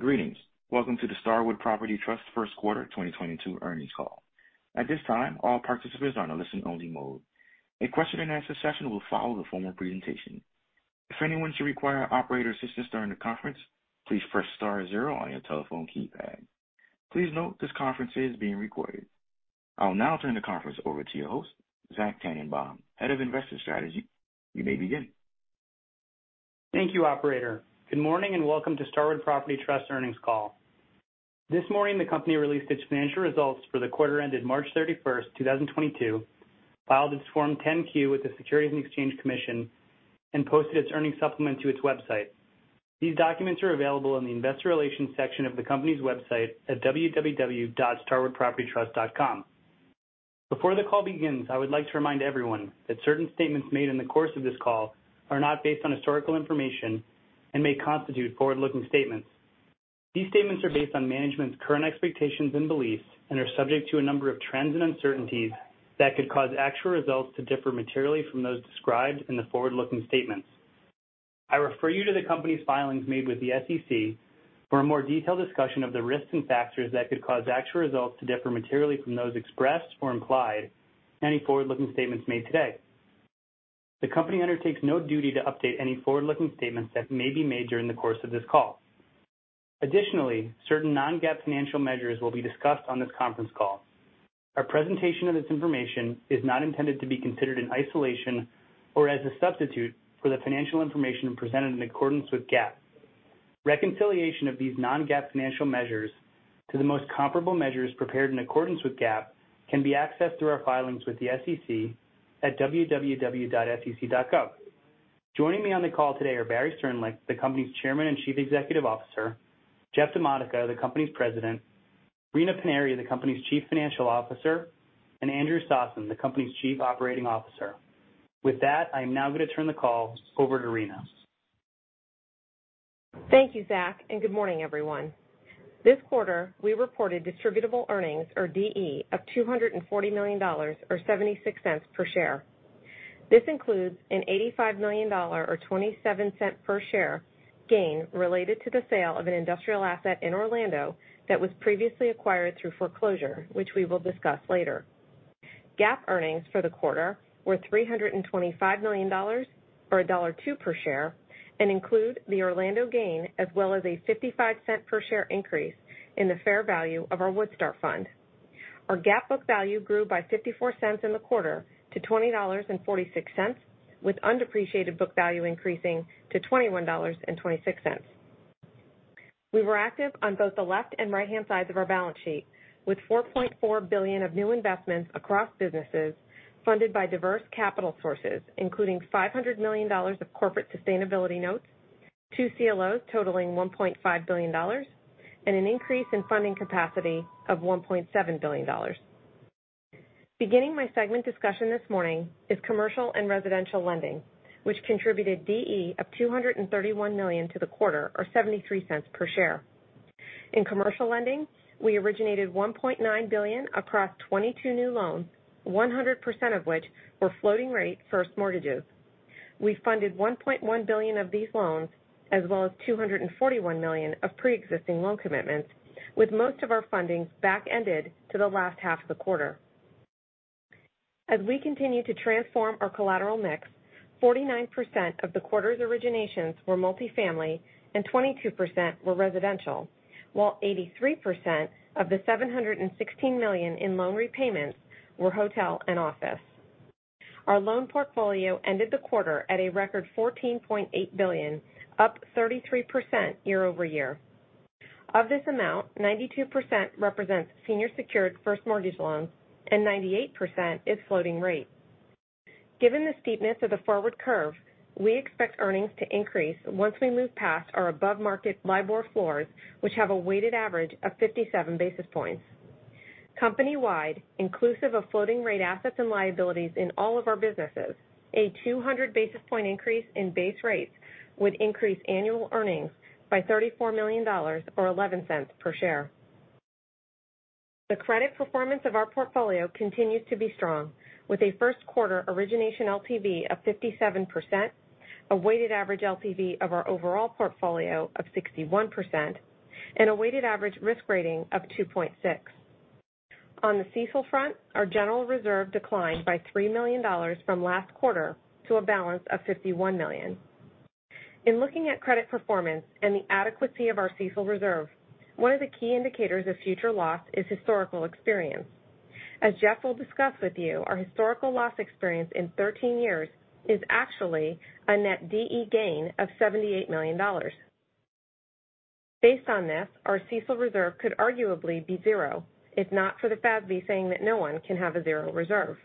Greetings. Welcome to the Starwood Property Trust first quarter 2022 earnings call. At this time, all participants are on a listen only mode. A question and answer session will follow the formal presentation. If anyone should require operator assistance during the conference, please press star zero on your telephone keypad. Please note this conference is being recorded. I'll now turn the conference over to your host, Zach Tanenbaum, Head of Investor Strategy. You may begin. Thank you, operator. Good morning and welcome to Starwood Property Trust earnings call. This morning, the company released its financial results for the quarter ended March 31st, 2022, filed its Form 10-Q with the Securities and Exchange Commission, and posted its earnings supplement to its website. These documents are available in the investor relations section of the company's website at www.starwoodpropertytrust.com. Before the call begins, I would like to remind everyone that certain statements made in the course of this call are not based on historical information and may constitute forward-looking statements. These statements are based on management's current expectations and beliefs and are subject to a number of trends and uncertainties that could cause actual results to differ materially from those described in the forward-looking statements. I refer you to the Company's filings made with the SEC for a more detailed discussion of the risks and factors that could cause actual results to differ materially from those expressed or implied in any forward-looking statements made today. The Company undertakes no duty to update any forward-looking statements that may be made during the course of this call. Additionally, certain non-GAAP financial measures will be discussed on this conference call. Our presentation of this information is not intended to be considered in isolation or as a substitute for the financial information presented in accordance with GAAP. Reconciliation of these non-GAAP financial measures to the most comparable measures prepared in accordance with GAAP can be accessed through our filings with the SEC at www.sec.gov. Joining me on the call today are Barry Sternlicht, the company's Chairman and Chief Executive Officer, Jeff DiModica, the company's President, Rina Paniry, the company's Chief Financial Officer, and Andrew Sossen, the company's Chief Operating Officer. With that, I am now going to turn the call over to Rina. Thank you, Zach, and good morning everyone. This quarter, we reported distributable earnings or DE of $240 million or $0.76 Per share. This includes an $85 million or $0.27 Per share gain related to the sale of an industrial asset in Orlando that was previously acquired through foreclosure, which we will discuss later. GAAP earnings for the quarter were $325 million or $1.02 per share, and include the Orlando gain as well as a $0.55 per share increase in the fair value of our Woodstar Fund. Our GAAP book value grew by $0.54 In the quarter to $20.46, with undepreciated book value increasing to $21.26. We were active on both the left and right-hand sides of our balance sheet with $4.4 billion of new investments across businesses funded by diverse capital sources, including $500 million of corporate Sustainability Notes, two CLOs totaling $1.5 billion, and an increase in funding capacity of $1.7 billion. Beginning my segment discussion this morning is commercial and residential lending, which contributed DE of $231 million to the quarter or $0.73 per share. In commercial lending, we originated $1.9 billion across 22 new loans, 100% of which were floating rate first mortgages. We funded $1.1 billion of these loans as well as $241 million of pre-existing loan commitments, with most of our funding back ended to the last half of the quarter. As we continue to transform our collateral mix, 49% of the quarter's originations were multifamily and 22% were residential, while 83% of the $716 million in loan repayments were hotel and office. Our loan portfolio ended the quarter at a record $14.8 billion, up 33% year-over-year. Of this amount, 92% represents senior secured first mortgage loans and 98% is floating rate. Given the steepness of the forward curve, we expect earnings to increase once we move past our above market LIBOR floors, which have a weighted average of 57 basis points. Company-wide, inclusive of floating rate assets and liabilities in all of our businesses, a 200 basis point increase in base rates would increase annual earnings by $34 million or $0.11 per share. The credit performance of our portfolio continues to be strong with a first quarter origination LTV of 57%, a weighted average LTV of our overall portfolio of 61% and a weighted average risk rating of 2.6%. On the CECL front, our general reserve declined by $3 million from last quarter to a balance of $51 million. In looking at credit performance and the adequacy of our CECL reserve, one of the key indicators of future loss is historical experience. As Jeff will discuss with you, our historical loss experience in 13 years is actually a net DE gain of $78 million. Based on this, our CECL reserve could arguably be zero if not for the FASB saying that no one can have a zero reserve.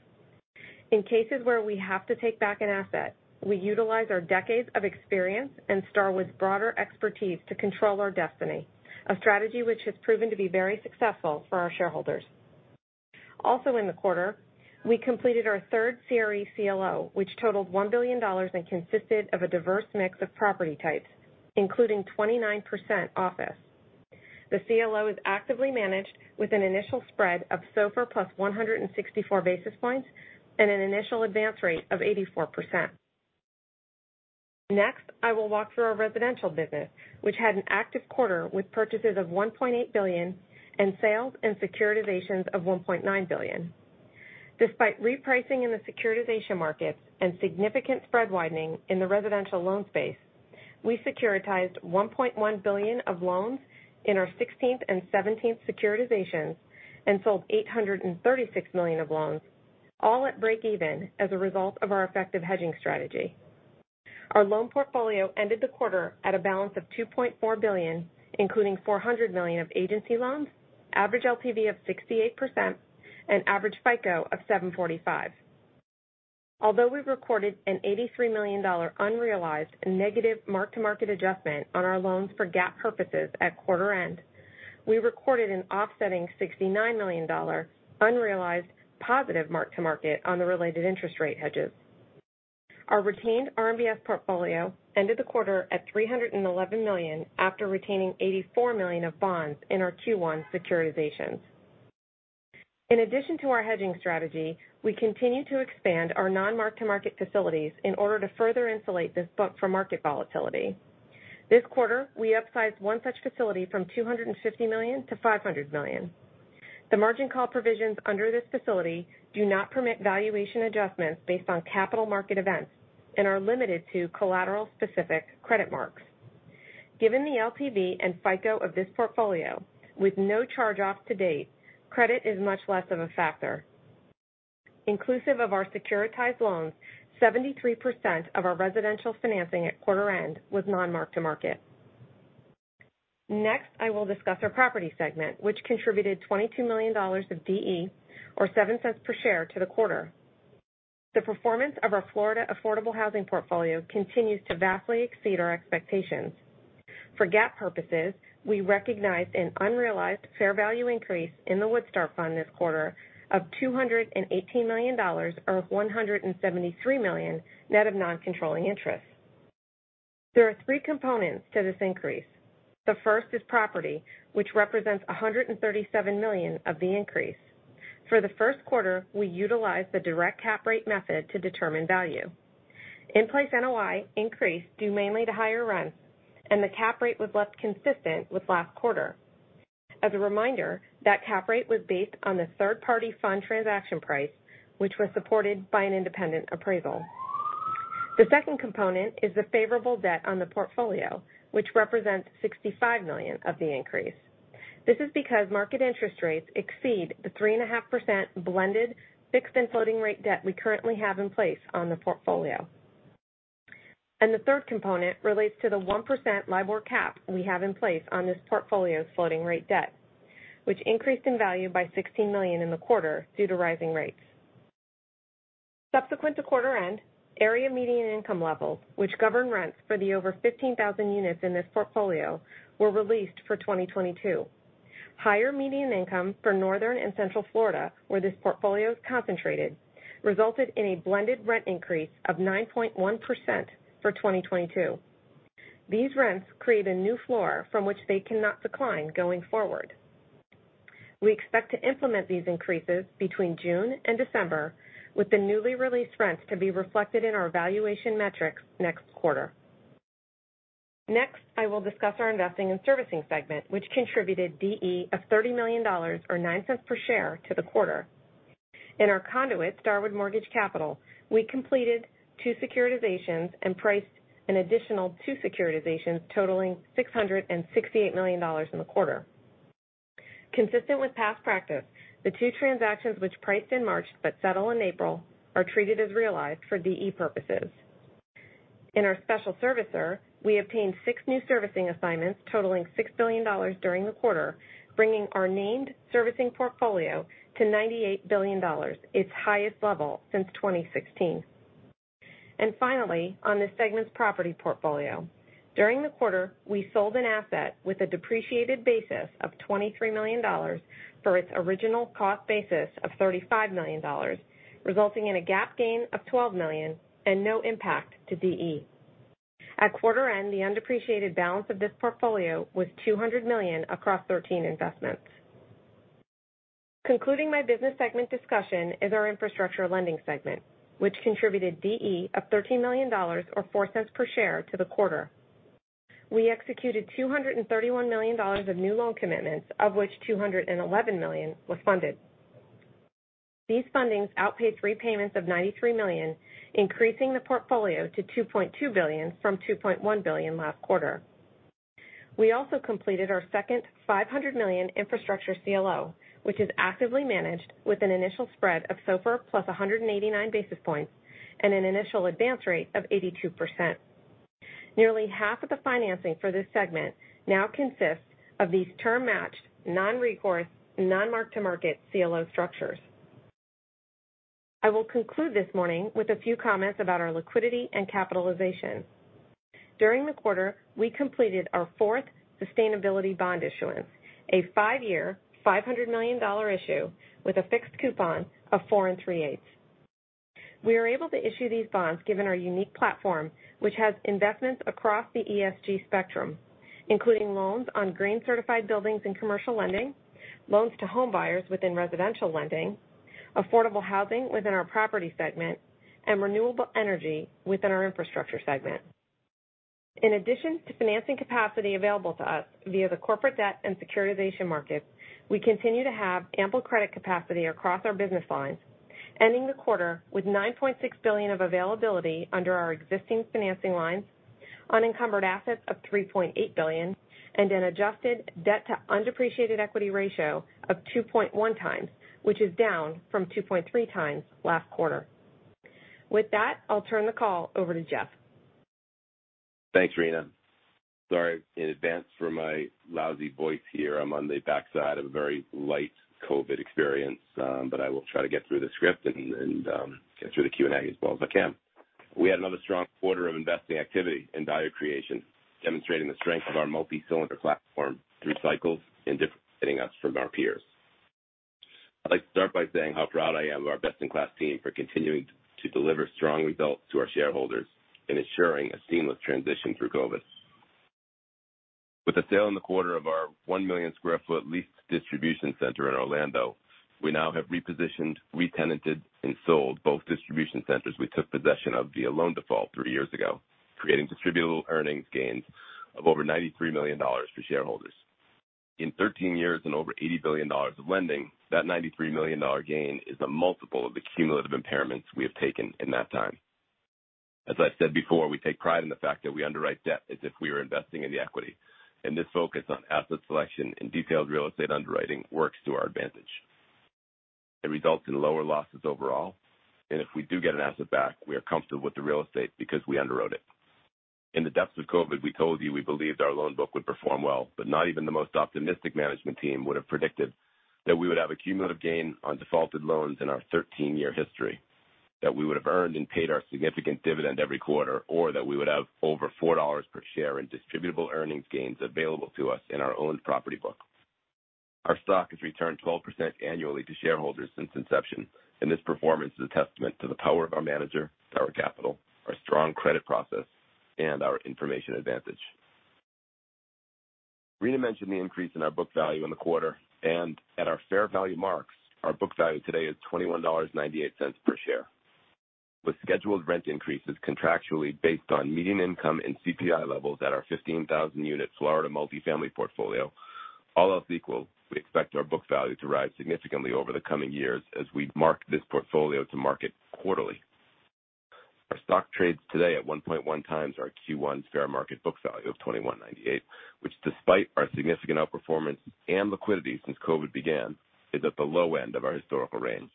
In cases where we have to take back an asset, we utilize our decades of experience and Starwood's broader expertise to control our destiny, a strategy which has proven to be very successful for our shareholders. Also in the quarter, we completed our third CRE CLO, which totaled $1 billion and consisted of a diverse mix of property types, including 29% office. The CLO is actively managed with an initial spread of SOFR plus 164 basis points and an initial advance rate of 84%. Next, I will walk through our residential business, which had an active quarter with purchases of $1.8 billion and sales and securitizations of $1.9 billion. Despite repricing in the securitization markets and significant spread widening in the residential loan space, we securitized $1.1 billion of loans in our sixteenth and seventeenth securitizations and sold $836 million of loans, all at breakeven as a result of our effective hedging strategy. Our loan portfolio ended the quarter at a balance of $2.4 billion, including $400 million of agency loans, average LTV of 68% and average FICO of 745. Although we recorded an $83 million unrealized negative mark-to-market adjustment on our loans for GAAP purposes at quarter end, we recorded an offsetting $69 million unrealized positive mark-to-market on the related interest rate hedges. Our retained RMBS portfolio ended the quarter at $311 million after retaining $84 million of bonds in our Q1 securitizations. In addition to our hedging strategy, we continue to expand our non-mark-to-market facilities in order to further insulate this book from market volatility. This quarter, we upsized one such facility from $250 million to $500 million. The margin call provisions under this facility do not permit valuation adjustments based on capital market events and are limited to collateral-specific credit marks. Given the LTV and FICO of this portfolio with no charge-offs to date, credit is much less of a factor. Inclusive of our securitized loans, 73% of our residential financing at quarter end was non-mark-to-market. Next, I will discuss our property segment, which contributed $22 million of DE, or $0.07 per share to the quarter. The performance of our Florida affordable housing portfolio continues to vastly exceed our expectations. For GAAP purposes, we recognized an unrealized fair value increase in the Woodstar Fund this quarter of $218 million, or $173 million net of non-controlling interest. There are three components to this increase. The first is property, which represents $137 million of the increase. For the first quarter, we utilized the direct cap rate method to determine value. In-place NOI increased due mainly to higher rents, and the cap rate was left consistent with last quarter. As a reminder, that cap rate was based on the third-party fund transaction price, which was supported by an independent appraisal. The second component is the favorable debt on the portfolio, which represents $65 million of the increase. This is because market interest rates exceed the 3.5% blended fixed and floating rate debt we currently have in place on the portfolio. The third component relates to the 1% LIBOR cap we have in place on this portfolio's floating rate debt, which increased in value by $16 million in the quarter due to rising rates. Subsequent to quarter end, area median income levels, which govern rents for the over 15,000 units in this portfolio, were released for 2022. Higher median income for Northern and Central Florida, where this portfolio is concentrated, resulted in a blended rent increase of 9.1% for 2022. These rents create a new floor from which they cannot decline going forward. We expect to implement these increases between June and December, with the newly released rents to be reflected in our valuation metrics next quarter. Next, I will discuss our investing and servicing segment, which contributed DE of $30 million or $0.09 per share to the quarter. In our conduit, Starwood Mortgage Capital, we completed two securitizations and priced an additional two securitizations totaling $668 million in the quarter. Consistent with past practice, the two transactions which priced in March but settle in April are treated as realized for DE purposes. In our special servicer, we obtained six new servicing assignments totaling $6 billion during the quarter, bringing our named servicing portfolio to $98 billion, its highest level since 2016. Finally, on this segment's property portfolio, during the quarter, we sold an asset with a depreciated basis of $23 million for its original cost basis of $35 million, resulting in a GAAP gain of $12 million and no impact to DE. At quarter end, the undepreciated balance of this portfolio was $200 million across 13 investments. Concluding my business segment discussion is our infrastructure lending segment, which contributed DE of $13 million or $0.04 per share to the quarter. We executed $231 million of new loan commitments, of which $211 million was funded. These fundings outpaced repayments of $93 million, increasing the portfolio to $2.2 billion from $2.1 billion last quarter. We also completed our second $500 million infrastructure CLO, which is actively managed with an initial spread of SOFR plus 189 basis points and an initial advance rate of 82%. Nearly half of the financing for this segment now consists of these term matched, non-recourse, non-mark-to-market CLO structures. I will conclude this morning with a few comments about our liquidity and capitalization. During the quarter, we completed our fourth sustainability bond issuance, a five-year, $500 million issue with a fixed coupon of 4 3/8. We are able to issue these bonds given our unique platform, which has investments across the ESG spectrum, including loans on green certified buildings and commercial lending, loans to home buyers within residential lending, affordable housing within our property segment, and renewable energy within our infrastructure segment. In addition to financing capacity available to us via the corporate debt and securitization markets, we continue to have ample credit capacity across our business lines, ending the quarter with $9.6 billion of availability under our existing financing lines, unencumbered assets of $3.8 billion, and an adjusted debt to undepreciated equity ratio of 2.1x, which is down from 2.3x last quarter. With that, I'll turn the call over to Jeff. Thanks, Rina. Sorry in advance for my lousy voice here. I'm on the backside of a very light COVID experience, but I will try to get through the script and get through the Q&A as well as I can. We had another strong quarter of investing activity and value creation, demonstrating the strength of our multi-cylinder platform through cycles and differentiating us from our peers. I'd like to start by saying how proud I am of our best in class team for continuing to deliver strong results to our shareholders in ensuring a seamless transition through COVID. With the sale in the quarter of our 1 million sq ft leased distribution center in Orlando, we now have repositioned, re-tenanted, and sold both distribution centers we took possession of via loan default three years ago, creating distributable earnings gains of over $93 million for shareholders. In 13 years and over $80 billion of lending, that $93 million gain is a multiple of the cumulative impairments we have taken in that time. As I've said before, we take pride in the fact that we underwrite debt as if we were investing in the equity, and this focus on asset selection and detailed real estate underwriting works to our advantage. It results in lower losses overall, and if we do get an asset back, we are comfortable with the real estate because we underwrote it. In the depths of Covid, we told you we believed our loan book would perform well, but not even the most optimistic management team would have predicted that we would have a cumulative gain on defaulted loans in our 13-year history, that we would have earned and paid our significant dividend every quarter, or that we would have over $4 per share in distributable earnings gains available to us in our owned property book. Our stock has returned 12% annually to shareholders since inception, and this performance is a testament to the power of our manager, Starwood Capital Group, our strong credit process, and our information advantage. Rina mentioned the increase in our book value in the quarter and at our fair value marks. Our book value today is $21.98 per share. With scheduled rent increases contractually based on median income and CPI levels at our 15,000-unit Florida multifamily portfolio, all else equal, we expect our book value to rise significantly over the coming years as we mark this portfolio to market quarterly. Our stock trades today at 1.1x our Q1 fair market book value of $21.98, which despite our significant outperformance and liquidity since COVID began, is at the low end of our historical range.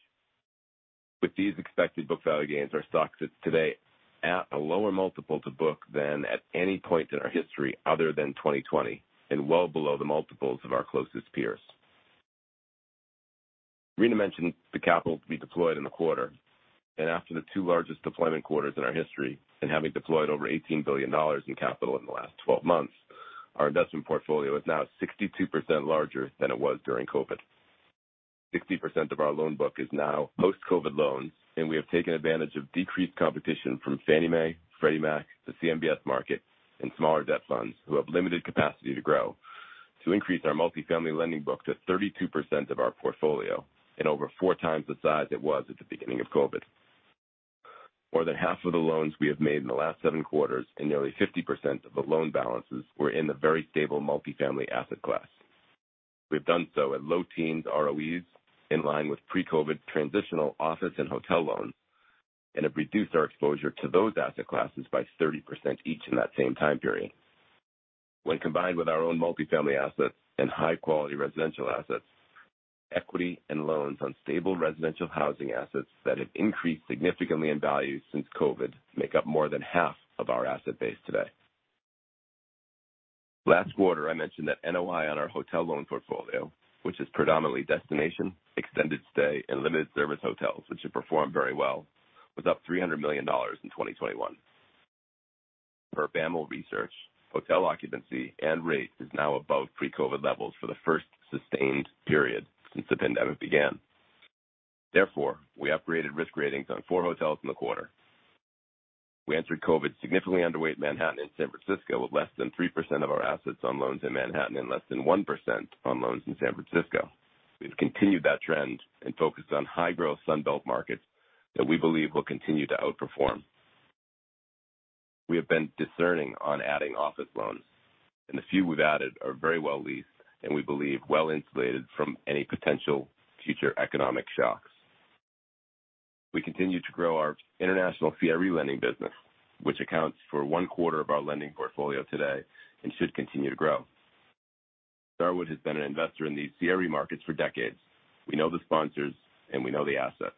With these expected book value gains, our stock sits today at a lower multiple to book than at any point in our history other than 2020 and well below the multiples of our closest peers. Rina mentioned the capital to be deployed in the quarter, and after the two largest deployment quarters in our history and having deployed over $18 billion in capital in the last 12 months, our investment portfolio is now 62% larger than it was during Covid. 60% of our loan book is now post-Covid loans, and we have taken advantage of decreased competition from Fannie Mae, Freddie Mac, the CMBS market and smaller debt funds who have limited capacity to grow to increase our multifamily lending book to 32% of our portfolio and over four times the size it was at the beginning of Covid. More than half of the loans we have made in the last seven quarters and nearly 50% of the loan balances were in the very stable multifamily asset class. We've done so at low teens ROEs in line with pre-COVID transitional office and hotel loans and have reduced our exposure to those asset classes by 30% each in that same time period. When combined with our own multifamily assets and high quality residential assets, equity and loans on stable residential housing assets that have increased significantly in value since COVID make up more than half of our asset base today. Last quarter I mentioned that NOI on our hotel loan portfolio, which is predominantly destination, extended stay and limited service hotels which have performed very well, was up $300 million in 2021. Per BofA Global Research, hotel occupancy and rate is now above pre-COVID levels for the first sustained period since the pandemic began. Therefore, we upgraded risk ratings on four hotels in the quarter. We entered COVID significantly underweight Manhattan and San Francisco, with less than 3% of our assets on loans in Manhattan and less than 1% on loans in San Francisco. We've continued that trend and focused on high growth Sun Belt markets that we believe will continue to outperform. We have been discerning on adding office loans, and the few we've added are very well leased and we believe well insulated from any potential future economic shocks. We continue to grow our international CRE lending business, which accounts for one quarter of our lending portfolio today and should continue to grow. Starwood has been an investor in these CRE markets for decades. We know the sponsors and we know the assets.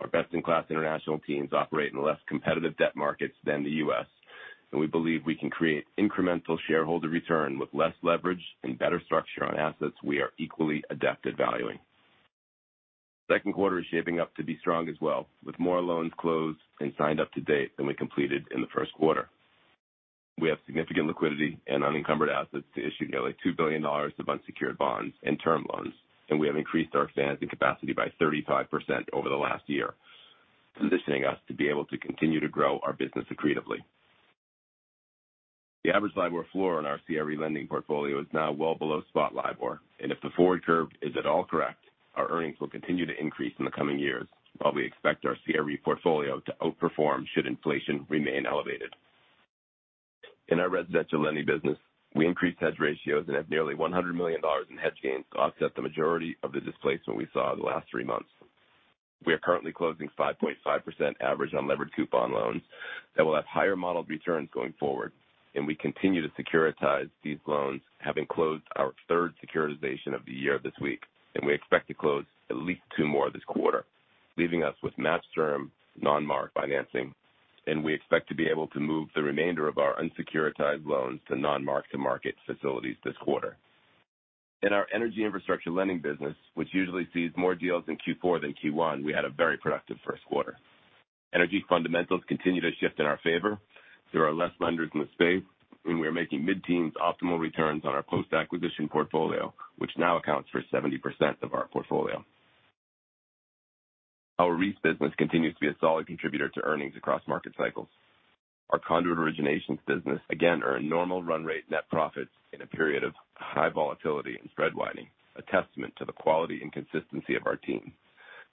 Our best in class international teams operate in less competitive debt markets than the U.S., and we believe we can create incremental shareholder return with less leverage and better structure on assets we are equally adept at valuing. Second quarter is shaping up to be strong as well, with more loans closed and signed up to date than we completed in the first quarter. We have significant liquidity and unencumbered assets to issue nearly $2 billion of unsecured bonds and term loans, and we have increased our financing capacity by 35% over the last year, positioning us to be able to continue to grow our business accretively. The average LIBOR floor on our CRE lending portfolio is now well below spot LIBOR, and if the forward curve is at all correct, our earnings will continue to increase in the coming years while we expect our CRE portfolio to outperform should inflation remain elevated. In our residential lending business, we increased hedge ratios and have nearly $100 million in hedge gains to offset the majority of the displacement we saw the last three months. We are currently closing 5.5% average on levered coupon loans that will have higher modeled returns going forward. We continue to securitize these loans, having closed our third securitization of the year this week. We expect to close at least two more this quarter, leaving us with match-term non-mark financing. We expect to be able to move the remainder of our unsecuritized loans to non-mark-to-market facilities this quarter. In our energy infrastructure lending business, which usually sees more deals in Q4 than Q1, we had a very productive first quarter. Energy fundamentals continue to shift in our favor. There are less lenders in the space, and we are making mid-teens optimal returns on our post-acquisition portfolio, which now accounts for 70% of our portfolio. Our REITs business continues to be a solid contributor to earnings across market cycles. Our conduit originations business again earn normal run rate net profits in a period of high volatility and spread widening, a testament to the quality and consistency of our team.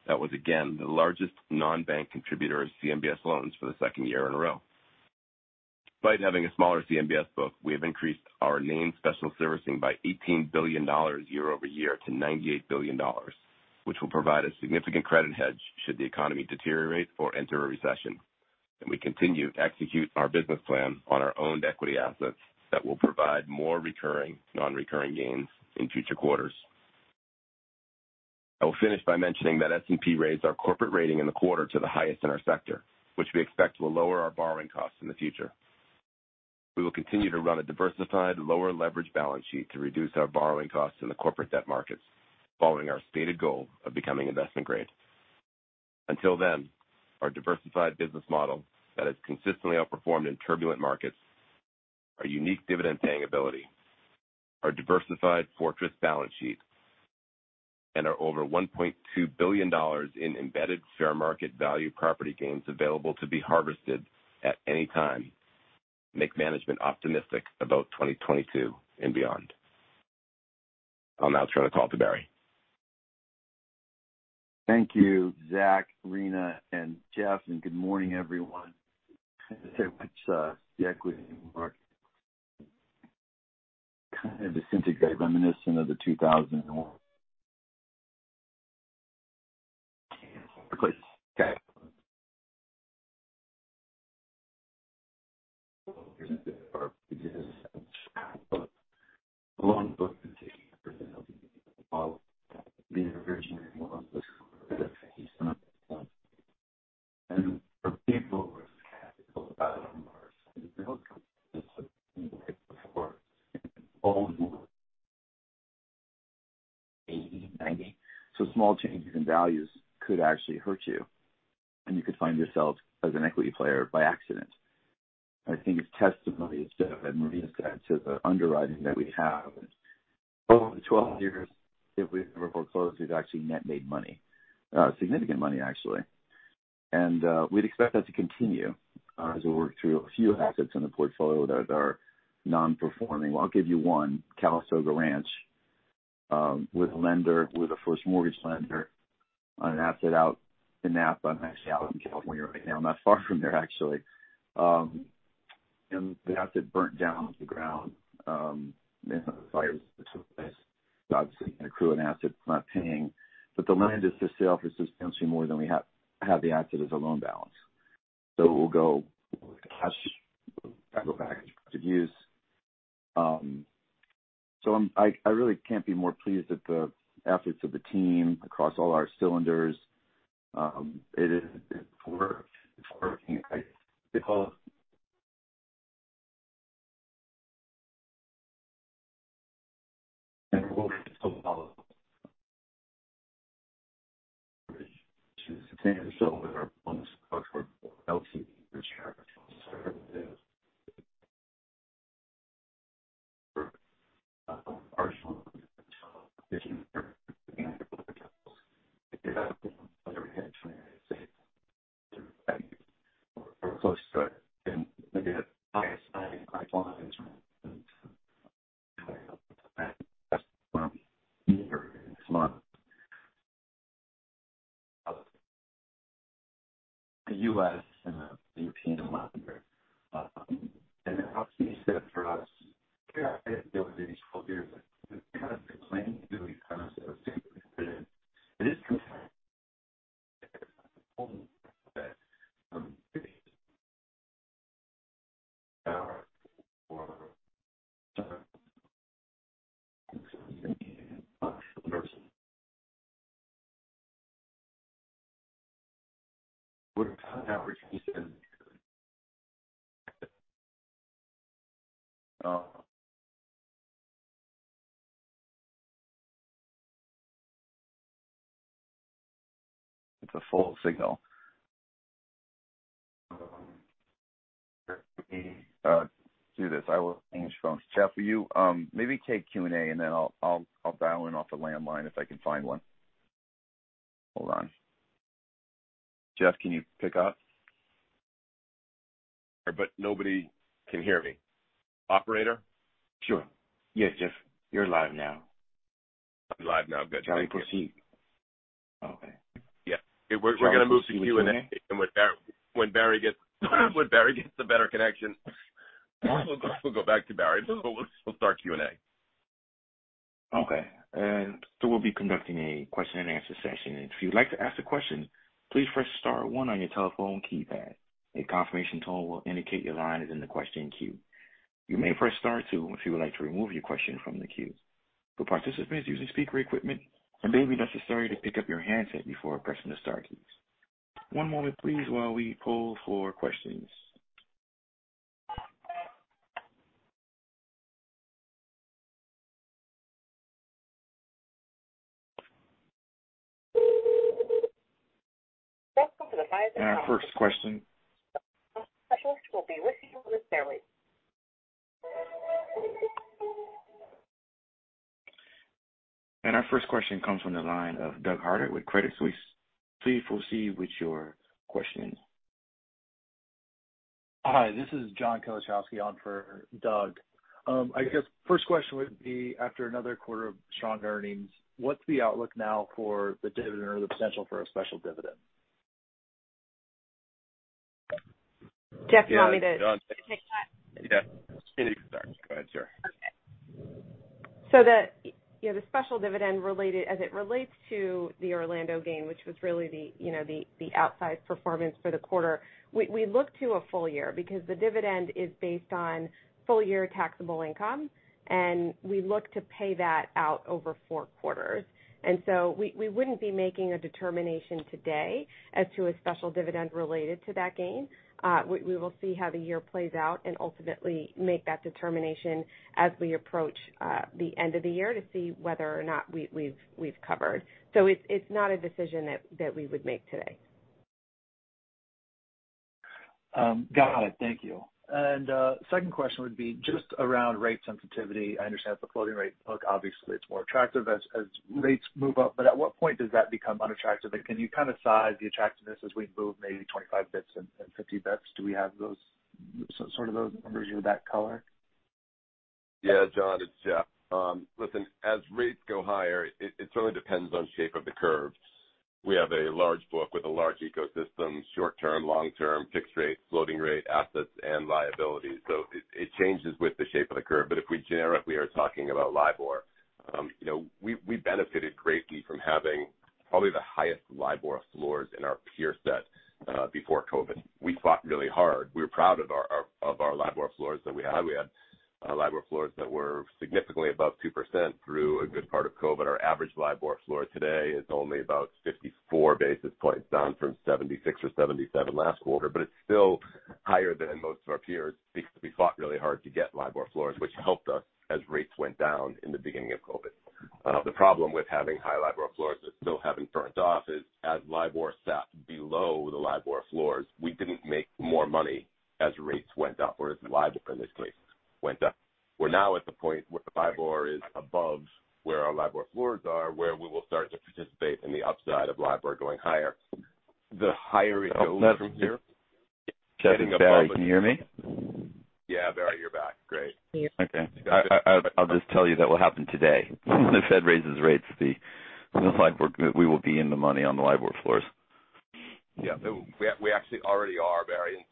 That was again the largest non-bank contributor of CMBS loans for the second year in a row. Despite having a smaller CMBS book, we have increased our named special servicing by $18 billion year-over-year to $98 billion, which will provide a significant credit hedge should the economy deteriorate or enter a recession. We continue to execute our business plan on our owned equity assets that will provide more recurring non-recurring gains in future quarters. I will finish by mentioning that S&P raised our corporate rating in the quarter to the highest in our sector, which we expect will lower our borrowing costs in the future. We will continue to run a diversified, lower leveraged balance sheet to reduce our borrowing costs in the corporate debt markets, following our stated goal of becoming investment grade. Until then, our diversified business model that has consistently outperformed in turbulent markets, our unique dividend paying ability, our diversified fortress balance sheet, and our over $1.2 billion in embedded fair market value property gains available to be harvested at any time make management optimistic about 2022 and beyond. I'll now turn the call to Barry. Thank you, Zach, Rina, and Jeff, and good morning everyone. I'd say with the equity market kind of disintegrating reminiscent of 2001. It's a loan book to date. The origination loan was for some of the time. For people who are skeptical about Mars and the real companies that we've worked for in all more 80, 90. Small changes in values could actually hurt you, and you could find yourself as an equity player by accident. I think it's testimony to what Rina said, the underwriting that we have. Over the 12 years that we've never foreclosed, we've actually net made money, significant money actually. We'd expect that to continue as we work through a few assets in the portfolio that are non-performing. Well, I'll give you one, Calistoga Ranch, with a lender, with a first mortgage lender on an asset out in Napa. I'm actually out in California right now. I'm not far from there, actually. The asset burned down to the ground, and the fire took place. Obviously an accruing asset, it's not paying. The lender says the sale price is potentially more than we have the asset as a loan balance. We'll go cash positive to use. I really can't be more pleased with the efforts of the team across all our cylinders. It is work. It's working because the U.S. and the European lender, and then obviously instead of for us, over these 12 years, kind of claiming to be kind of significant. It is. The U.S. and the European lender. It's a full signal. Do this. I will finish phones. Jeff, will you maybe take Q&A and then I'll dial in off the landline if I can find one. Hold on. Jeff, can you pick up? Nobody can hear me. Operator? Sure. Yes, Jeff, you're live now. I'm live now. Good. Thank you. Shall we proceed? Okay. Yeah. We're gonna move to Q&A. When Barry gets a better connection, we'll go back to Barry. We'll start Q&A. Okay. We'll be conducting a question and answer session. If you'd like to ask a question, please press star one on your telephone keypad. A confirmation tone will indicate your line is in the question queue. You may press star two if you would like to remove your question from the queue. For participants using speaker equipment, it may be necessary to pick up your handset before pressing the star keys. One moment please while we poll for questions. Our first question. Our first question comes from the line of Doug Harter with Credit Suisse. Please proceed with your question. Hi, this is John Slowik on for Doug. I guess first question would be after another quarter of strong earnings, what's the outlook now for the dividend or the potential for a special dividend? Jeff, you want me to take that? Yeah. You can start. Go ahead, sir. Okay. The, you know, the special dividend related as it relates to the Orlando gain, which was really the, you know, the outsized performance for the quarter. We look to a full year because the dividend is based on full year taxable income, and we look to pay that out over four quarters. We wouldn't be making a determination today as to a special dividend related to that gain. We will see how the year plays out and ultimately make that determination as we approach the end of the year to see whether or not we've covered. It's not a decision that we would make today. Got it. Thank you. Second question would be just around rate sensitivity. I understand the floating rate book, obviously it's more attractive as rates move up, but at what point does that become unattractive? Can you kind of size the attractiveness as we move maybe 25 bits and 50 bits? Do we have those sort of numbers or that color? Yeah, John, it's Jeff. Listen, as rates go higher, it certainly depends on shape of the curves. We have a large book with a large ecosystem, short term, long term, fixed rate, floating rate assets and liabilities. So it changes with the shape of the curve. But if we generically are talking about LIBOR, you know, we benefited greatly from having probably the highest LIBOR floors in our peer set, before COVID. We fought really hard. We're proud of our LIBOR floors that we had. We had LIBOR floors that were significantly above 2% through a good part of COVID. Our average LIBOR floor today is only about 54 basis points down from 76 or 77 last quarter. It's still higher than most of our peers because we fought really hard to get LIBOR floors, which helped us as rates went down in the beginning of COVID. The problem with having high LIBOR floors is, as LIBOR sat below the LIBOR floors, we didn't make more money as rates went up, or as LIBOR in this case went up. We're now at the point where the LIBOR is above where our LIBOR floors are, where we will start to participate in the upside of LIBOR going higher. The higher it goes from here. Jeff, it's Barry. Can you hear me? Yeah, Barry, you're back. Great. Okay. I'll just tell you that will happen today. When the Fed raises rates, the LIBOR, we will be in the money on the LIBOR floors. Yeah. We actually already are, Barry.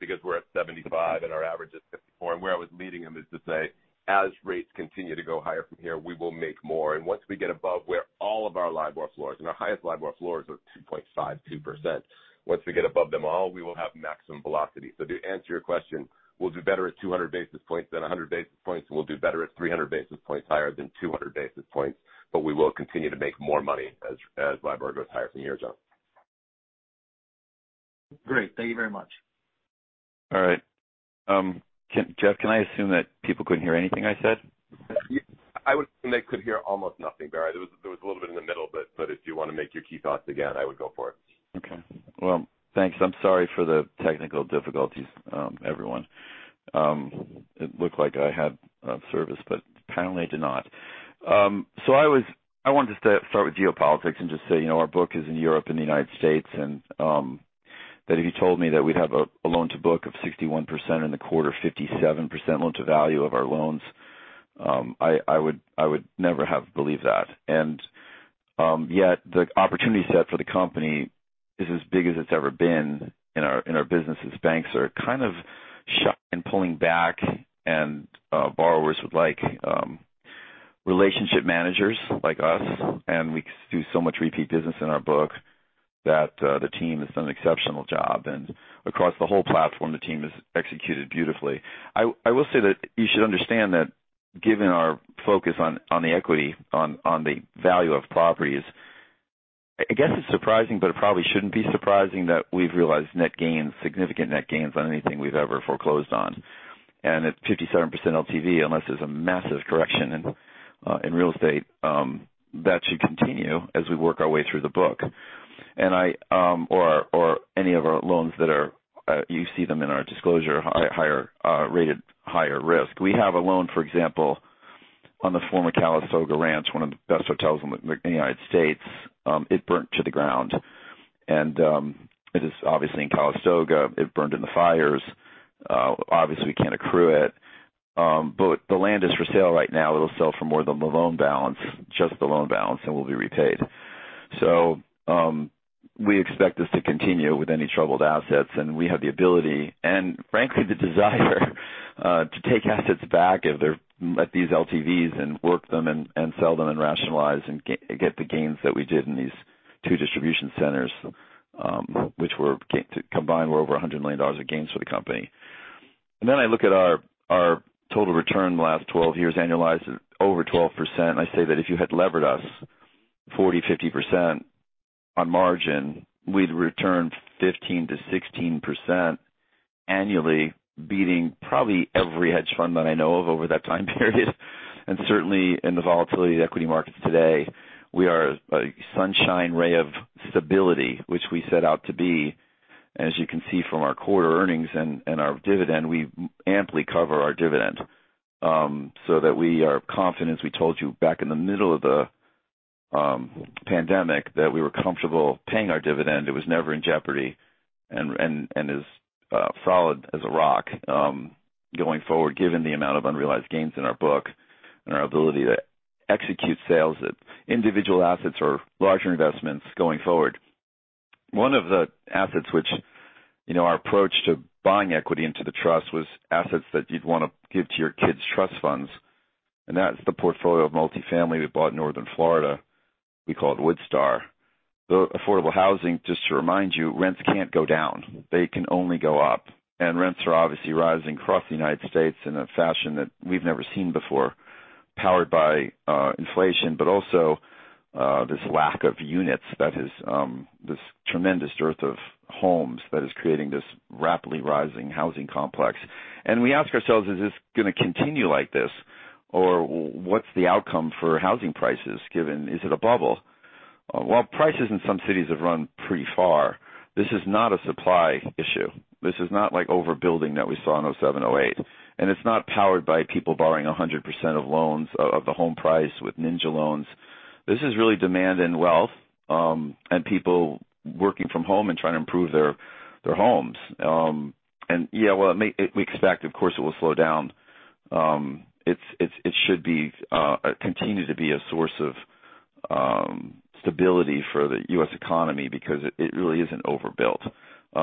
Because we're at 75 and our average is 54, and where I was leading them is to say, as rates continue to go higher from here, we will make more. Once we get above where all of our LIBOR floors and our highest LIBOR floors are 2.5 to 2%. Once we get above them all, we will have maximum velocity. To answer your question, we'll do better at 200 basis points than 100 basis points. We'll do better at 300 basis points higher than 200 basis points, but we will continue to make more money as LIBOR goes higher from here, John. Great. Thank you very much. All right. Jeff, can I assume that people couldn't hear anything I said? I would assume they could hear almost nothing, Barry. There was a little bit in the middle, but if you want to make your key thoughts again, I would go for it. Okay. Well, thanks. I'm sorry for the technical difficulties, everyone. It looked like I had service, but apparently I do not. So I wanted to start with geopolitics and just say, you know, our book is in Europe and the United States, and that if you told me that we'd have a loan to book of 61% in the quarter, 57% loan to value of our loans, I would never have believed that. Yet the opportunity set for the company is as big as it's ever been in our business as banks are kind of shut and pulling back and borrowers would like relationship managers like us, and we do so much repeat business in our book that the team has done an exceptional job. Across the whole platform, the team has executed beautifully. I will say that you should understand that given our focus on the equity on the value of properties, I guess it's surprising, but it probably shouldn't be surprising that we've realized net gains, significant net gains on anything we've ever foreclosed on. At 57% LTV, unless there's a massive correction in real estate, that should continue as we work our way through the book. Or any of our loans that are, you see them in our disclosure, higher rated higher risk. We have a loan, for example, on the former Calistoga Ranch, one of the best hotels in the United States. It burnt to the ground. It is obviously in Calistoga. It burned in the fires. Obviously, we can't accrue it. The land is for sale right now. It'll sell for more than the loan balance, just the loan balance, and we'll be repaid. We expect this to continue with any troubled assets, and we have the ability and, frankly, the desire, to take assets back if they're at these LTVs and work them and sell them and rationalize and get the gains that we did in these two distribution centers, which were combined were over $100 million of gains for the company. I look at our total return the last 12 years annualized over 12%. I say that if you had levered us 40%, 50% on margin, we'd return 15%-16% annually, beating probably every hedge fund that I know of over that time period. Certainly, in the volatility of the equity markets today, we are a sunshine ray of stability, which we set out to be. As you can see from our quarter earnings and our dividend, we amply cover our dividend, so that we are confident, as we told you back in the middle of the pandemic, that we were comfortable paying our dividend. It was never in jeopardy and is solid as a rock going forward, given the amount of unrealized gains in our book and our ability to execute sales at individual assets or larger investments going forward. You know, our approach to buying equity into the trust was assets that you'd wanna give to your kids' trust funds, and that's the portfolio of multifamily we bought in Northern Florida. We call it Woodstar. The affordable housing, just to remind you, rents can't go down. They can only go up. Rents are obviously rising across the United States in a fashion that we've never seen before, powered by inflation, but also this lack of units that is this tremendous dearth of homes that is creating this rapidly rising housing complex. We ask ourselves, "Is this gonna continue like this?" Or, "What's the outcome for housing prices given? Is it a bubble?" While prices in some cities have run pretty far, this is not a supply issue. This is not like overbuilding that we saw in 2007, 2008, and it's not powered by people borrowing 100% of the home price with NINJA loans. This is really demand and wealth, and people working from home and trying to improve their homes. We expect, of course, it will slow down. It should continue to be a source of stability for the U.S. economy because it really isn't overbuilt.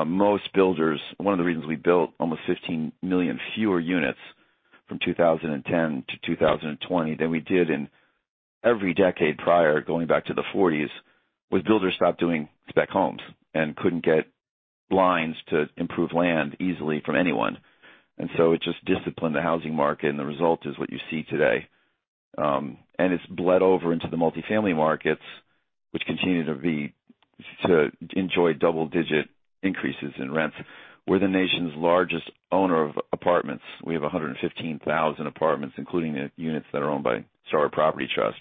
Most builders. One of the reasons we built almost 15 million fewer units from 2010 to 2020 than we did in every decade prior, going back to the 1940s, was builders stopped doing spec homes and couldn't get lines to improve land easily from anyone. It just disciplined the housing market, and the result is what you see today. It's bled over into the multifamily markets, which continue to enjoy double-digit increases in rents. We're the nation's largest owner of apartments. We have 115,000 apartments, including the units that are owned by Starwood Property Trust.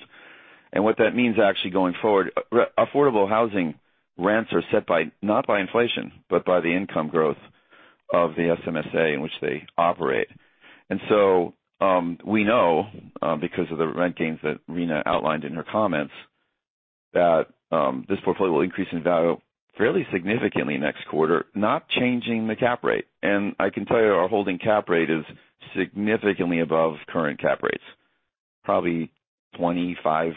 What that means actually going forward, affordable housing rents are set by, not by inflation, but by the income growth of the SMSA in which they operate. We know, because of the rent gains that Rina outlined in her comments, that this portfolio will increase in value fairly significantly next quarter, not changing the cap rate. I can tell you our holding cap rate is significantly above current cap rates, probably 25%-30%.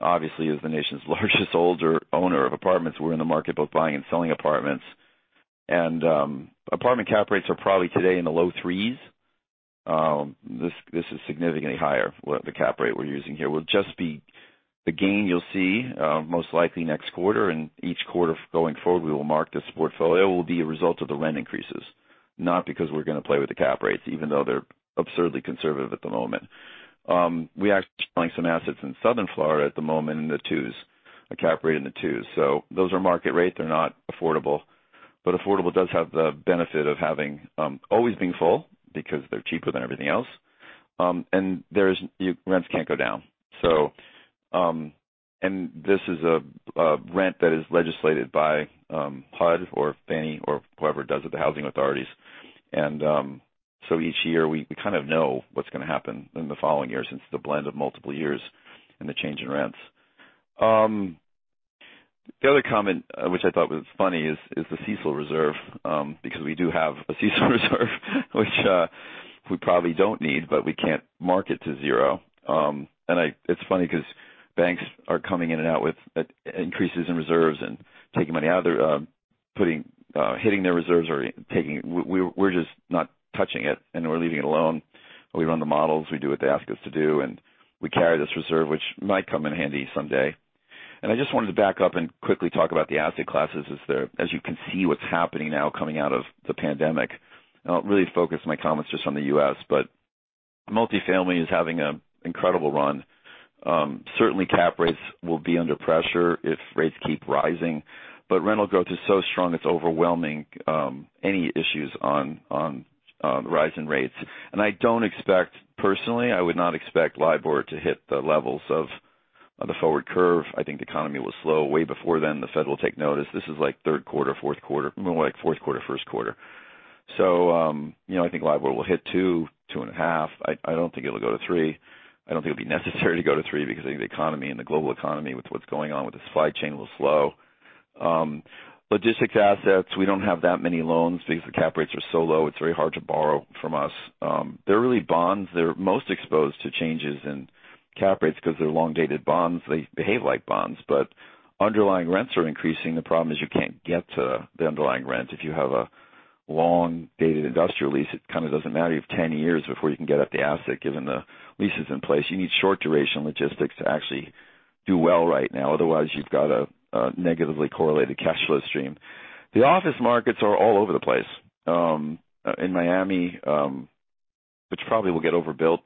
Obviously, as the nation's largest older owner of apartments, we're in the market both buying and selling apartments. Apartment cap rates are probably today in the low threes. This is significantly higher, the cap rate we're using here. We'll just be. The gain you'll see most likely next quarter and each quarter going forward, we will mark this portfolio, will be a result of the rent increases, not because we're gonna play with the cap rates, even though they're absurdly conservative at the moment. We are selling some assets in Southern Florida at the moment in the 2s, a cap rate in the 2s. Those are market rate. They're not affordable. Affordable does have the benefit of having always being full because they're cheaper than everything else. Rents can't go down. This is a rent that is legislated by HUD or Fannie Mae or whoever does it, the housing authorities. Each year we kind of know what's gonna happen in the following year since the blend of multiple years and the change in rents. The other comment, which I thought was funny, is the CECL reserve, because we do have a CECL reserve, which we probably don't need, but we can't mark it to zero. It's funny 'cause banks are coming in and out with increases in reserves and taking money out of their reserves. We're just not touching it, and we're leaving it alone. We run the models. We do what they ask us to do, and we carry this reserve, which might come in handy someday. I just wanted to back up and quickly talk about the asset classes. As you can see, what's happening now, coming out of the pandemic, and I'll really focus my comments just on the U.S., but multifamily is having an incredible run. Certainly cap rates will be under pressure if rates keep rising. Rental growth is so strong, it's overwhelming any issues on the rise in rates. Personally, I would not expect LIBOR to hit the levels of the forward curve. I think the economy will slow way before then. The Fed will take notice. This is like third quarter, fourth quarter. More like fourth quarter, first quarter. You know, I think LIBOR will hit 2.5. I don't think it'll go to 3. I don't think it'll be necessary to go to 3 because I think the economy and the global economy, with what's going on with the supply chain, will slow. Logistics assets, we don't have that many loans because the cap rates are so low, it's very hard to borrow from us. They're really bonds. They're most exposed to changes in cap rates because they're long-dated bonds. They behave like bonds. Underlying rents are increasing. The problem is you can't get to the underlying rents. If you have a long-dated industrial lease, it kind of doesn't matter. You have 10 years before you can get up the asset, given the leases in place. You need short duration logistics to actually do well right now, otherwise you've got a negatively correlated cash flow stream. The office markets are all over the place. In Miami, which probably will get overbuilt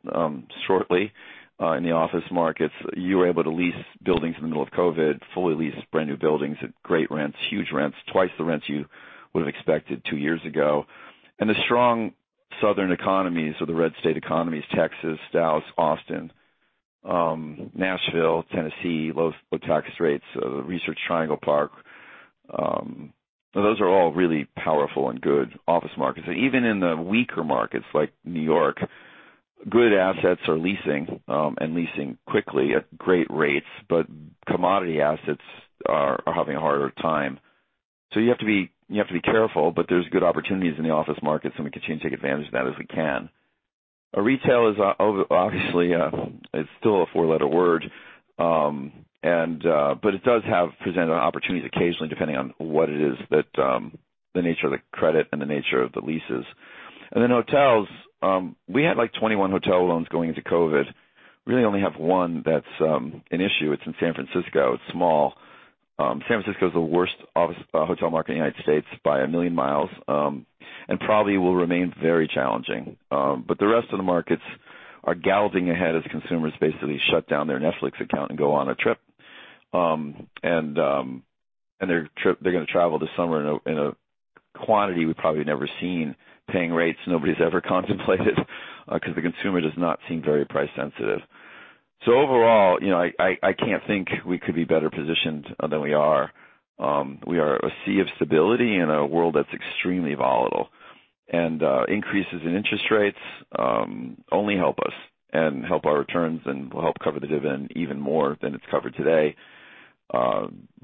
shortly in the office markets. You were able to lease buildings in the middle of COVID, fully lease brand-new buildings at great rents, huge rents, twice the rents you would have expected two years ago. The strong southern economies or the red state economies, Texas, Dallas, Austin, Nashville, Tennessee, low tax rates, Research Triangle Park, those are all really powerful and good office markets. Even in the weaker markets like New York, good assets are leasing, and leasing quickly at great rates. Commodity assets are having a harder time. You have to be careful. There's good opportunities in the office market, so we continue to take advantage of that as we can. Retail is obviously, it's still a four-letter word. It does have presented opportunities occasionally, depending on what it is that, the nature of the credit and the nature of the leases. Then hotels, we had, like, 21 hotel loans going into COVID. We really only have one that's an issue. It's in San Francisco. It's small. San Francisco is the worst office hotel market in the United States by a million miles, and probably will remain very challenging. The rest of the markets are galloping ahead as consumers basically shut down their Netflix account and go on a trip. Their trip, they're gonna travel this summer in a quantity we've probably never seen, paying rates nobody's ever contemplated because the consumer does not seem very price sensitive. Overall, you know, I can't think we could be better positioned than we are. We are a sea of stability in a world that's extremely volatile. Increases in interest rates only help us and help our returns, and will help cover the dividend even more than it's covered today.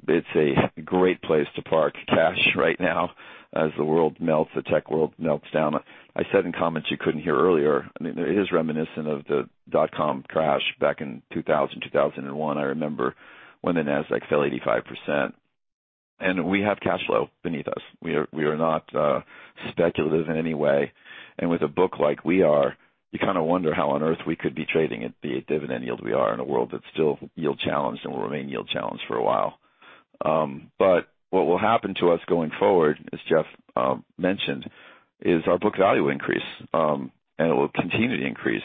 It's a great place to park cash right now as the world melts, the tech world melts down. I said in comments you couldn't hear earlier, I mean, it is reminiscent of the dot-com crash back in 2001. I remember when the Nasdaq fell 85%. We have cash flow beneath us. We are not speculative in any way. With a book like we are, you kind of wonder how on earth we could be trading at the dividend yield we are in a world that's still yield challenged and will remain yield challenged for a while. What will happen to us going forward, as Jeff mentioned, is our book value increase. It will continue to increase.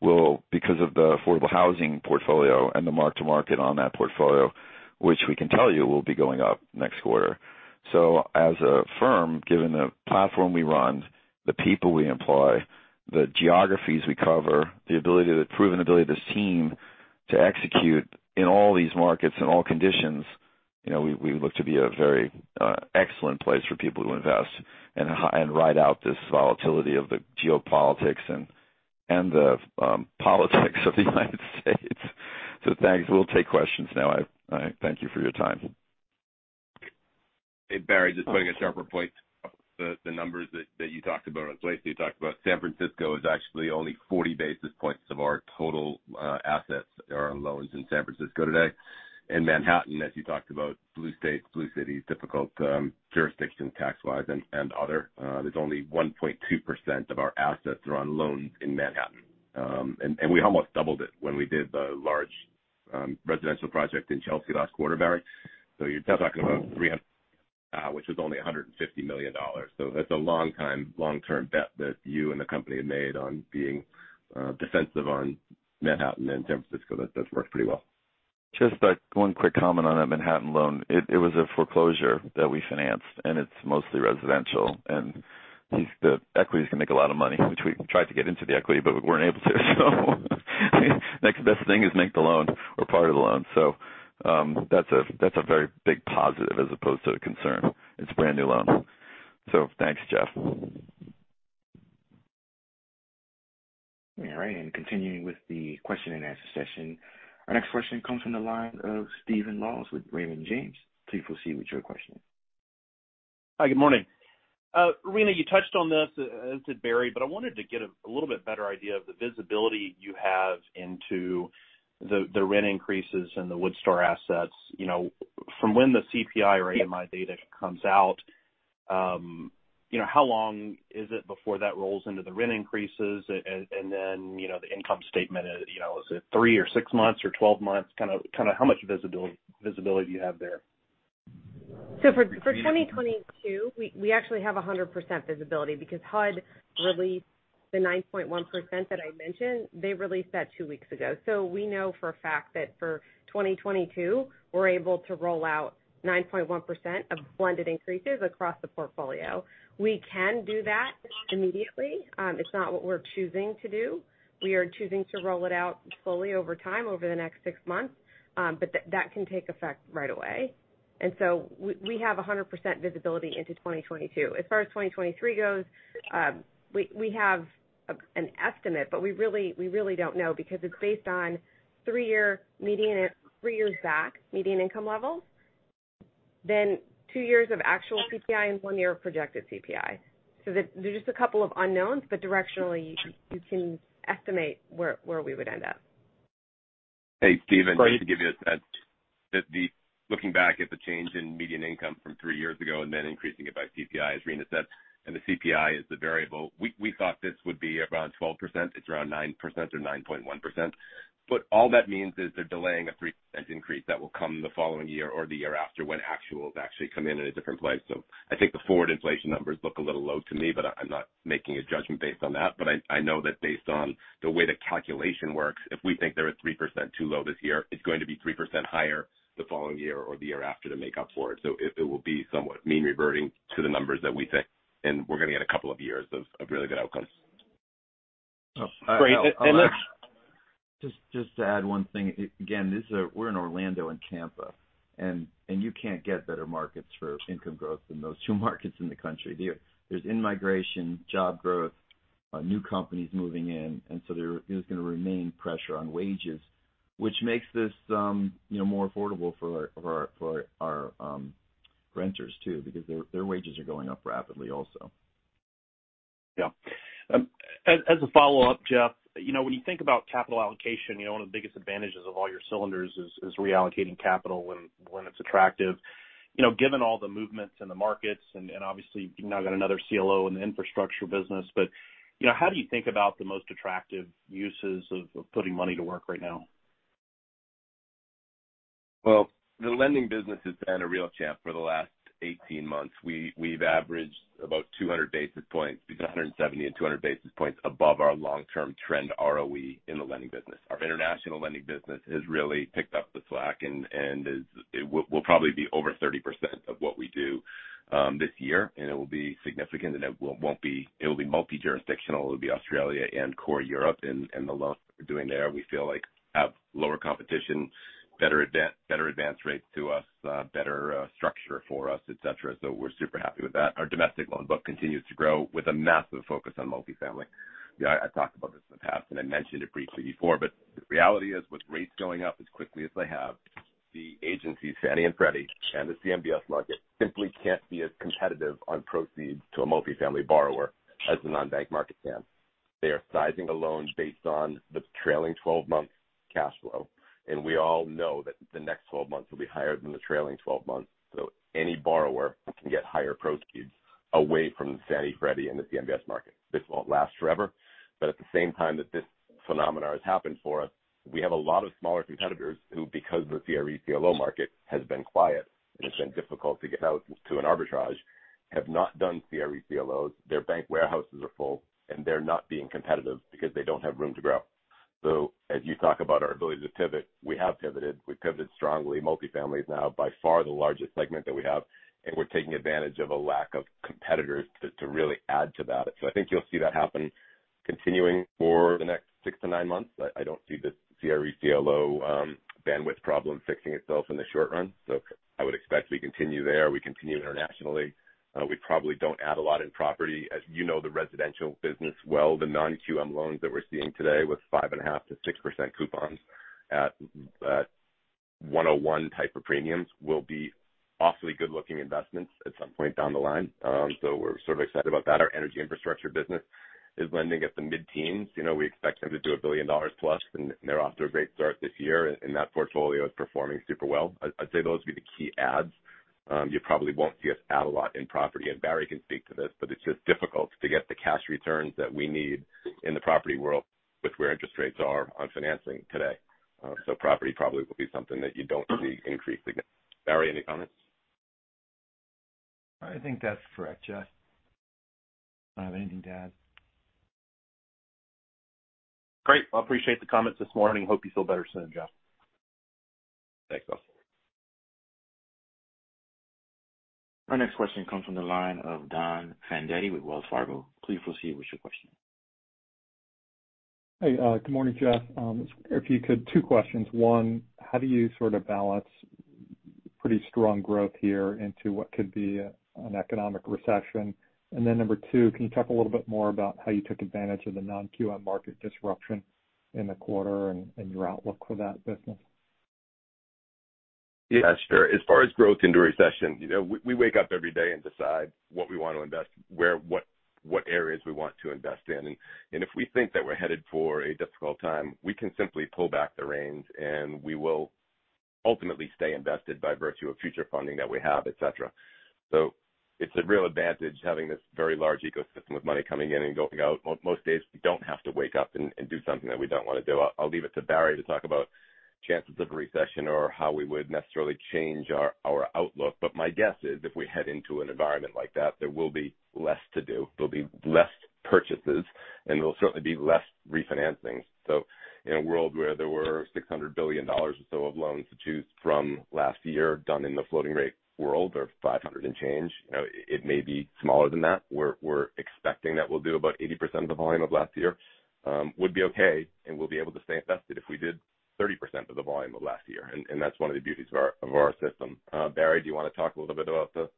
We'll because of the affordable housing portfolio and the mark-to-market on that portfolio, which we can tell you will be going up next quarter. As a firm, given the platform we run, the people we employ, the geographies we cover, the ability, the proven ability of this team to execute in all these markets, in all conditions, you know, we look to be a very excellent place for people to invest and ride out this volatility of the geopolitics and the politics of the United States. Thanks. We'll take questions now. I thank you for your time. Hey, Barry, just putting a sharper point to the numbers that you talked about, the places you talked about. San Francisco is actually only 40 basis points of our total assets are on loans in San Francisco today. In Manhattan, as you talked about blue states, blue cities, difficult jurisdiction tax-wise and other, there's only 1.2% of our assets are on loans in Manhattan. We almost doubled it when we did the large residential project in Chelsea last quarter, Barry. You're talking about 300, which is only $150 million. That's a long-term bet that you and the company have made on being defensive on Manhattan and San Francisco that's worked pretty well. Just, one quick comment on that Manhattan loan. It was a foreclosure that we financed, and it's mostly residential. These equities can make a lot of money, which we tried to get into the equity but weren't able to. Next best thing is make the loan or part of the loan. That's a very big positive as opposed to a concern. It's a brand-new loan. Thanks, Jeff. All right. Continuing with the question and answer session. Our next question comes from the line of Stephen Laws with Raymond James. Please proceed with your question. Hi. Good morning. Rina, you touched on this, as did Barry, but I wanted to get a little bit better idea of the visibility you have into the rent increases in the Woodstar assets. You know, from when the CPI or AMI data comes out, you know, how long is it before that rolls into the rent increases? And then, you know, the income statement, you know, is it three or six months or 12 months? Kinda how much visibility do you have there? For 2022, we actually have 100% visibility because HUD released the 9.1% that I mentioned. They released that two weeks ago. We know for a fact that for 2022, we are able to roll out 9.1% of blended increases across the portfolio. We can do that immediately. It is not what we are choosing to do. We are choosing to roll it out slowly over time, over the next six months. But that can take effect right away. We have 100% visibility into 2022. As far as 2023 goes, we have an estimate, but we really do not know because it is based on three years back median income levels, then two years of actual CPI and one year of projected CPI. There, there's just a couple of unknowns, but directionally, you can estimate where we would end up. Hey, Steve, just to give you a sense. Looking back at the change in median income from three years ago and then increasing it by CPI, as Rena said, and the CPI is the variable. We thought this would be around 12%. It's around 9% or 9.1%. All that means is they're delaying a 3% increase that will come the following year or the year after when actuals actually come in at a different place. I think the forward inflation numbers look a little low to me, but I'm not making a judgment based on that. I know that based on the way the calculation works, if we think they're at 3% too low this year, it's going to be 3% higher the following year or the year after to make up for it. It will be somewhat mean reverting to the numbers that we think, and we're gonna get a couple of years of really good outcomes. Great. Just to add one thing. Again, this is we're in Orlando and Tampa, and you can't get better markets for income growth than those two markets in the country. There's in-migration, job growth, new companies moving in, and so there is gonna remain pressure on wages, which makes this, you know, more affordable for our renters too, because their wages are going up rapidly also. Yeah. As a follow-up, Jeff, you know, when you think about capital allocation, you know, one of the biggest advantages of all your cylinders is reallocating capital when it's attractive. You know, given all the movements in the markets and obviously you've now got another CLO in the infrastructure business. You know, how do you think about the most attractive uses of putting money to work right now? Well, the lending business has been a real champ for the last 18 months. We've averaged about 200 basis points, between 170 and 200 basis points above our long-term trend ROE in the lending business. Our international lending business has really picked up the slack and it will probably be over 30% of what we do this year, and it will be significant, and it won't be. It will be multi-jurisdictional. It'll be Australia and core Europe. The loans we're doing there, we feel like have lower competition, better advance rates to us, better structure for us, et cetera. We're super happy with that. Our domestic loan book continues to grow with a massive focus on multifamily. Yeah, I talked about this in the past, and I mentioned it briefly before, but the reality is, with rates going up as quickly as they have, the agencies, Fannie and Freddie and the CMBS market, simply can't be as competitive on proceeds to a multifamily borrower as the non-bank market can. They are sizing a loan based on the trailing twelve-month cash flow, and we all know that the next twelve months will be higher than the trailing twelve months. Any borrower can get higher proceeds away from the Fannie, Freddie, and the CMBS market. This won't last forever, but at the same time that this phenomenon has happened for us, we have a lot of smaller competitors who, because the CRE CLO market has been quiet and it's been difficult to get out to an arbitrage, have not done CRE CLOs. Their bank warehouses are full, and they're not being competitive because they don't have room to grow. As you talk about our ability to pivot, we have pivoted. We've pivoted strongly. Multifamily is now by far the largest segment that we have, and we're taking advantage of a lack of competitors to really add to that. I think you'll see that happen continuing for the next 6-9 months. I don't see the CRE CLO bandwidth problem fixing itself in the short run. I would expect we continue there. We continue internationally. We probably don't add a lot in property. As you know the residential business well, the non-QM loans that we're seeing today with 5.5%-6% coupons at 101 type of premiums will be awfully good-looking investments at some point down the line. We're sort of excited about that. Our energy infrastructure business is lending at the mid-teens. You know, we expect them to do $1 billion+, and they're off to a great start this year, and that portfolio is performing super well. I'd say those would be the key adds. You probably won't see us add a lot in property, and Barry can speak to this, but it's just difficult to get the cash returns that we need in the property world with where interest rates are on financing today. Property probably will be something that you don't see increase again. Barry, any comments? I think that's correct, Jeff. I don't have anything to add. Great. Well, appreciate the comments this morning. Hope you feel better soon, Jeff DiModica. Thanks. Our next question comes from the line of Don Fandetti with Wells Fargo. Please proceed with your question. Hey, good morning, Jeff. If you could, two questions. One, how do you sort of balance pretty strong growth here into what could be an economic recession? Number two, can you talk a little bit more about how you took advantage of the Non-QM market disruption in the quarter and your outlook for that business? Yeah, sure. As far as growth into recession, you know, we wake up every day and decide what we want to invest, where, what areas we want to invest in. If we think that we're headed for a difficult time, we can simply pull back the reins, and we will ultimately stay invested by virtue of future funding that we have, et cetera. It's a real advantage having this very large ecosystem of money coming in and going out. Most days, we don't have to wake up and do something that we don't wanna do. I'll leave it to Barry to talk about chances of recession or how we would necessarily change our outlook. My guess is if we head into an environment like that, there will be less to do. There'll be less purchases, and there'll certainly be less refinancing. In a world where there were $600 billion or so of loans to choose from last year done in the floating rate world or $500 and change, it may be smaller than that. We're expecting that we'll do about 80% of the volume of last year, would be okay, and we'll be able to stay invested if we did 30% of the volume of last year. That's one of the beauties of our system. Barry, do you wanna talk a little bit about the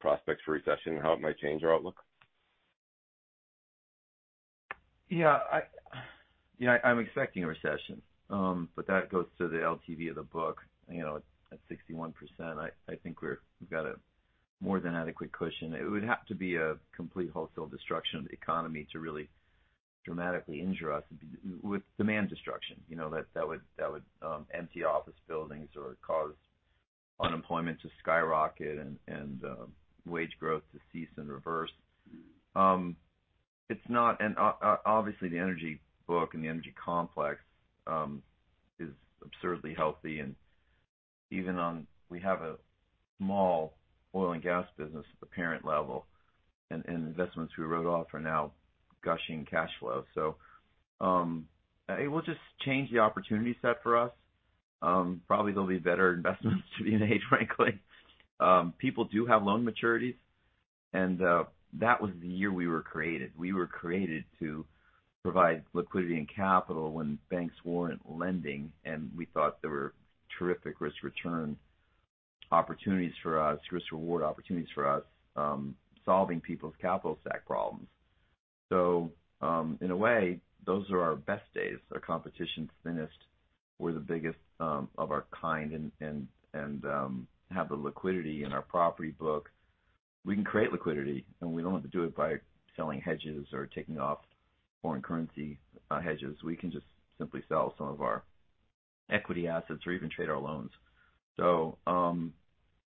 prospects for recession and how it might change our outlook? Yeah. You know, I'm expecting a recession, but that goes to the LTV of the book. You know, at 61%, I think we've got a more than adequate cushion. It would have to be a complete wholesale destruction of the economy to really dramatically injure us with demand destruction. You know, that would empty office buildings or cause unemployment to skyrocket and wage growth to cease and reverse. It's not. Obviously, the energy book and the energy complex is absurdly healthy. Even on, we have a small oil and gas business at the parent level, and investments we wrote off are now gushing cash flows. It will just change the opportunity set for us. Probably there'll be better investments to be made, frankly. People do have loan maturities, and that was the year we were created. We were created to provide liquidity and capital when banks weren't lending, and we thought there were terrific risk-return opportunities for us, risk-reward opportunities for us, solving people's capital stack problems. In a way, those are our best days. Our competition's thinnest. We're the biggest of our kind and have the liquidity in our property book. We can create liquidity, and we don't have to do it by selling hedges or taking off foreign currency hedges. We can just simply sell some of our equity assets or even trade our loans.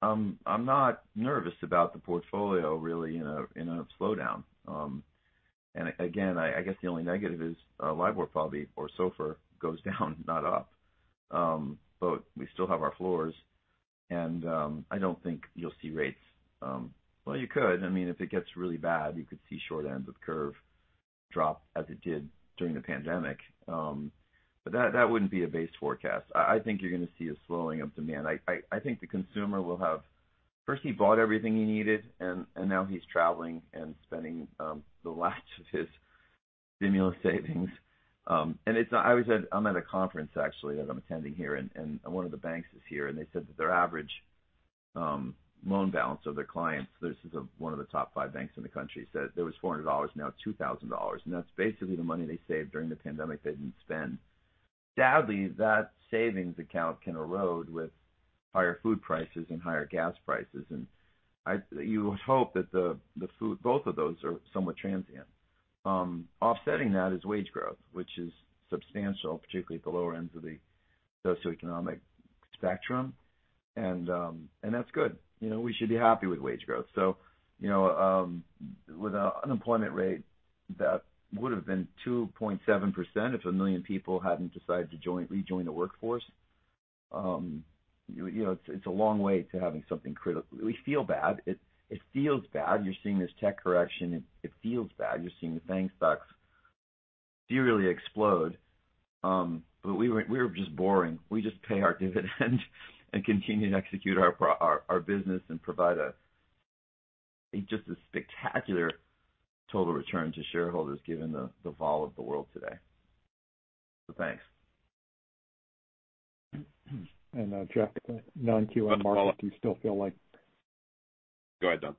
I'm not nervous about the portfolio really in a slowdown. Again, I guess the only negative is LIBOR probably or SOFR goes down, not up. We still have our floors and I don't think you'll see rates. Well, you could. I mean, if it gets really bad, you could see short ends of curve drop as it did during the pandemic. That wouldn't be a base forecast. I think you're gonna see a slowing of demand. I think the consumer will have first, he bought everything he needed, and now he's traveling and spending the last of his stimulus savings. I always said I'm at a conference actually that I'm attending here, and one of the banks is here, and they said that their average loan balance of their clients, this is one of the top five banks in the country, said it was $400, now $2,000. That's basically the money they saved during the pandemic they didn't spend. Sadly, that savings account can erode with higher food prices and higher gas prices. You would hope that both of those are somewhat transient. Offsetting that is wage growth, which is substantial, particularly at the lower ends of the socioeconomic spectrum. That's good. You know, we should be happy with wage growth. You know, with an unemployment rate that would have been 2.7% if 1 million people hadn't decided to rejoin the workforce. It's a long way to having something critical. We feel bad. It feels bad. You're seeing this tech correction. It feels bad. You're seeing the bank stocks really explode. We were just boring. We just pay our dividend and continue to execute our business and provide just a spectacular total return to shareholders given the volatility of the world today. Thanks. Jeff, Non-QM market. Go ahead, Don.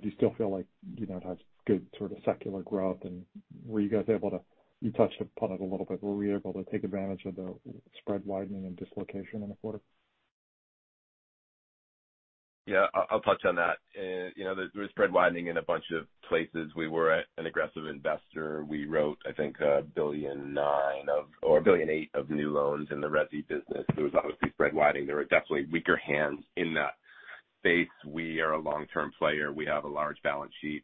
Do you still feel like, you know, it has good sort of secular growth? Were you guys able to, you touched upon it a little bit. Were we able to take advantage of the spread widening and dislocation in the quarter? Yeah. I'll touch on that. You know, there was spread widening in a bunch of places. We were an aggressive investor. We wrote, I think, $1.9 billion or $1.8 billion of new loans in the resi business. There was obviously spread widening. There were definitely weaker hands in that space. We are a long-term player. We have a large balance sheet.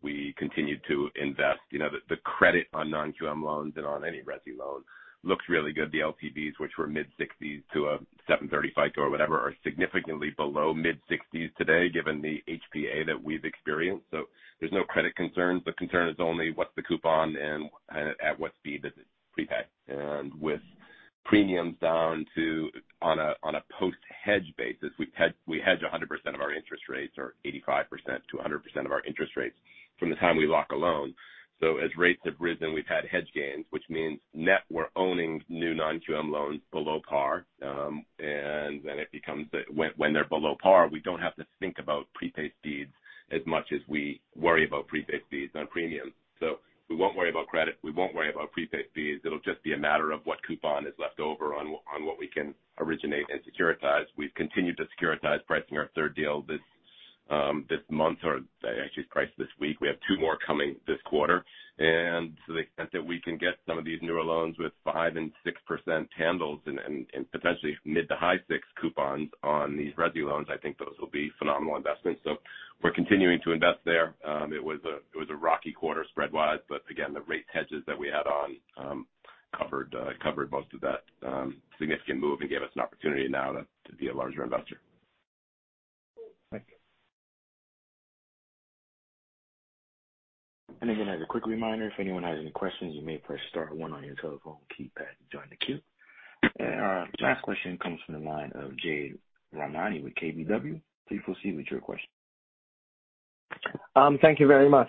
We continue to invest. You know, the credit on non-QM loans and on any resi loan looks really good. The LTVs, which were mid-sixties to a 730 FICO or whatever, are significantly below mid-sixties today given the HPA that we've experienced. So there's no credit concern. The concern is only what the coupon and at what speed does it prepay. With premiums down to, on a post-hedge basis, we hedge 100% of our interest rates or 85%-100% of our interest rates from the time we lock a loan. As rates have risen, we've had hedge gains, which means net we're owning new non-QM loans below par. And then it becomes a—when they're below par, we don't have to think about prepaid speeds as much as we worry about prepaid speeds on premiums. We won't worry about credit. We won't worry about prepaid speeds. It'll just be a matter of what coupon is left over on what we can originate and securitize. We've continued to securitize pricing our third deal this month, or actually priced this week. We have two more coming this quarter. To the extent that we can get some of these newer loans with 5% and 6% handles and potentially mid- to high-6% coupons on these resi loans, I think those will be phenomenal investments. We're continuing to invest there. It was a rocky quarter. Spreads widened. Again, the rate hedges that we had on covered most of that significant move and gave us an opportunity now to be a larger investor. Thank you. Again, as a quick reminder, if anyone has any questions, you may press star one on your telephone keypad to join the queue. Our last question comes from the line of Jade Rahmani with KBW. Please proceed with your question. Thank you very much.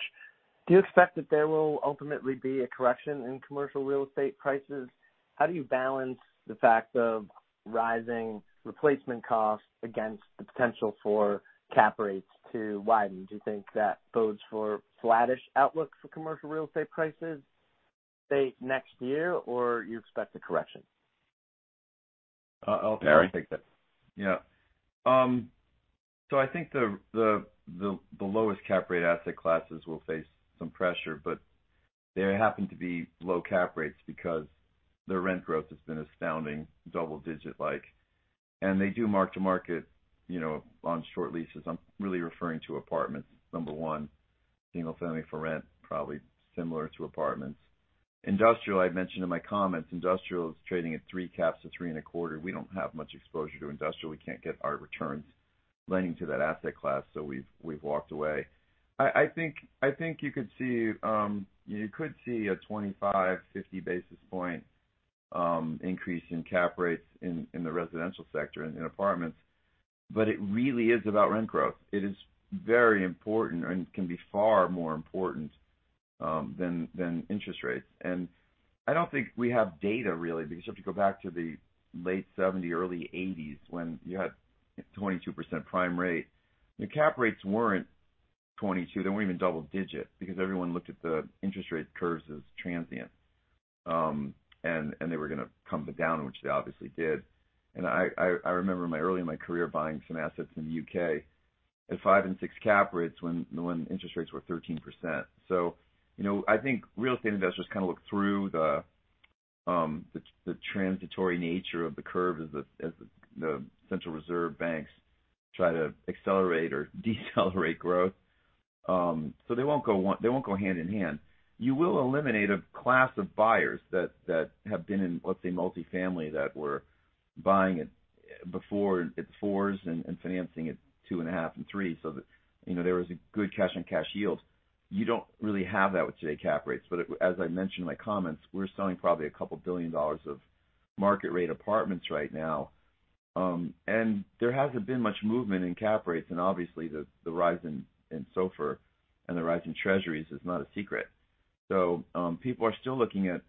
Do you expect that there will ultimately be a correction in commercial real estate prices? How do you balance the fact of rising replacement costs against the potential for cap rates to widen? Do you think that bodes for flattish outlook for commercial real estate prices, say, next year? Or you expect a correction? I'll take that. Yeah. I think the lowest cap rate asset classes will face some pressure, but they happen to be low cap rates because their rent growth has been astounding, double-digit like. They do mark-to-market, you know, on short leases. I'm really referring to apartments, number one. Single-family for rent, probably similar to apartments. Industrial, I mentioned in my comments, industrial is trading at 3 caps to 3.25. We don't have much exposure to industrial. We can't get our returns lending to that asset class. We've walked away. I think you could see a 25-50 basis point increase in cap rates in the residential sector in apartments, but it really is about rent growth. It is very important and can be far more important than interest rates. I don't think we have data really, because if you go back to the late 70s, early 80s when you had 22% prime rate, the cap rates weren't 22. They weren't even double-digit because everyone looked at the interest rate curves as transient. They were gonna come down, which they obviously did. I remember early in my career buying some assets in the U..K at 5 and 6 cap rates when interest rates were 13%. You know, I think real estate investors kind of look through the transitory nature of the curve as the central banks try to accelerate or decelerate growth. They won't go hand in hand. You will eliminate a class of buyers that have been in, let's say, multifamily, that were buying it before at 4s and financing at 2.5 and 3. You know, there was a good cash and cash yield. You don't really have that with today's cap rates. But as I mentioned in my comments, we're selling probably $2 billion of market rate apartments right now. There hasn't been much movement in cap rates. Obviously, the rise in SOFR and the rise in Treasuries is not a secret. People are still looking at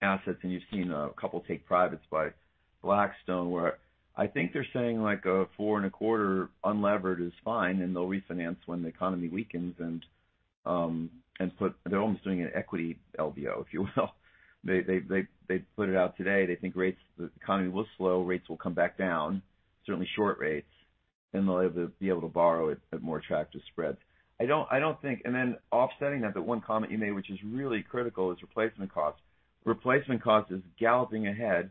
assets, and you've seen a couple take privates by Blackstone, where I think they're saying like a 4.25 unlevered is fine, and they'll refinance when the economy weakens. They're almost doing an equity LBO, if you will. They put it out today. They think rates, the economy will slow, rates will come back down, certainly short rates, and they'll be able to borrow at more attractive spreads. I don't think. Then offsetting that, the one comment you made, which is really critical, is replacement costs. Replacement costs is galloping ahead.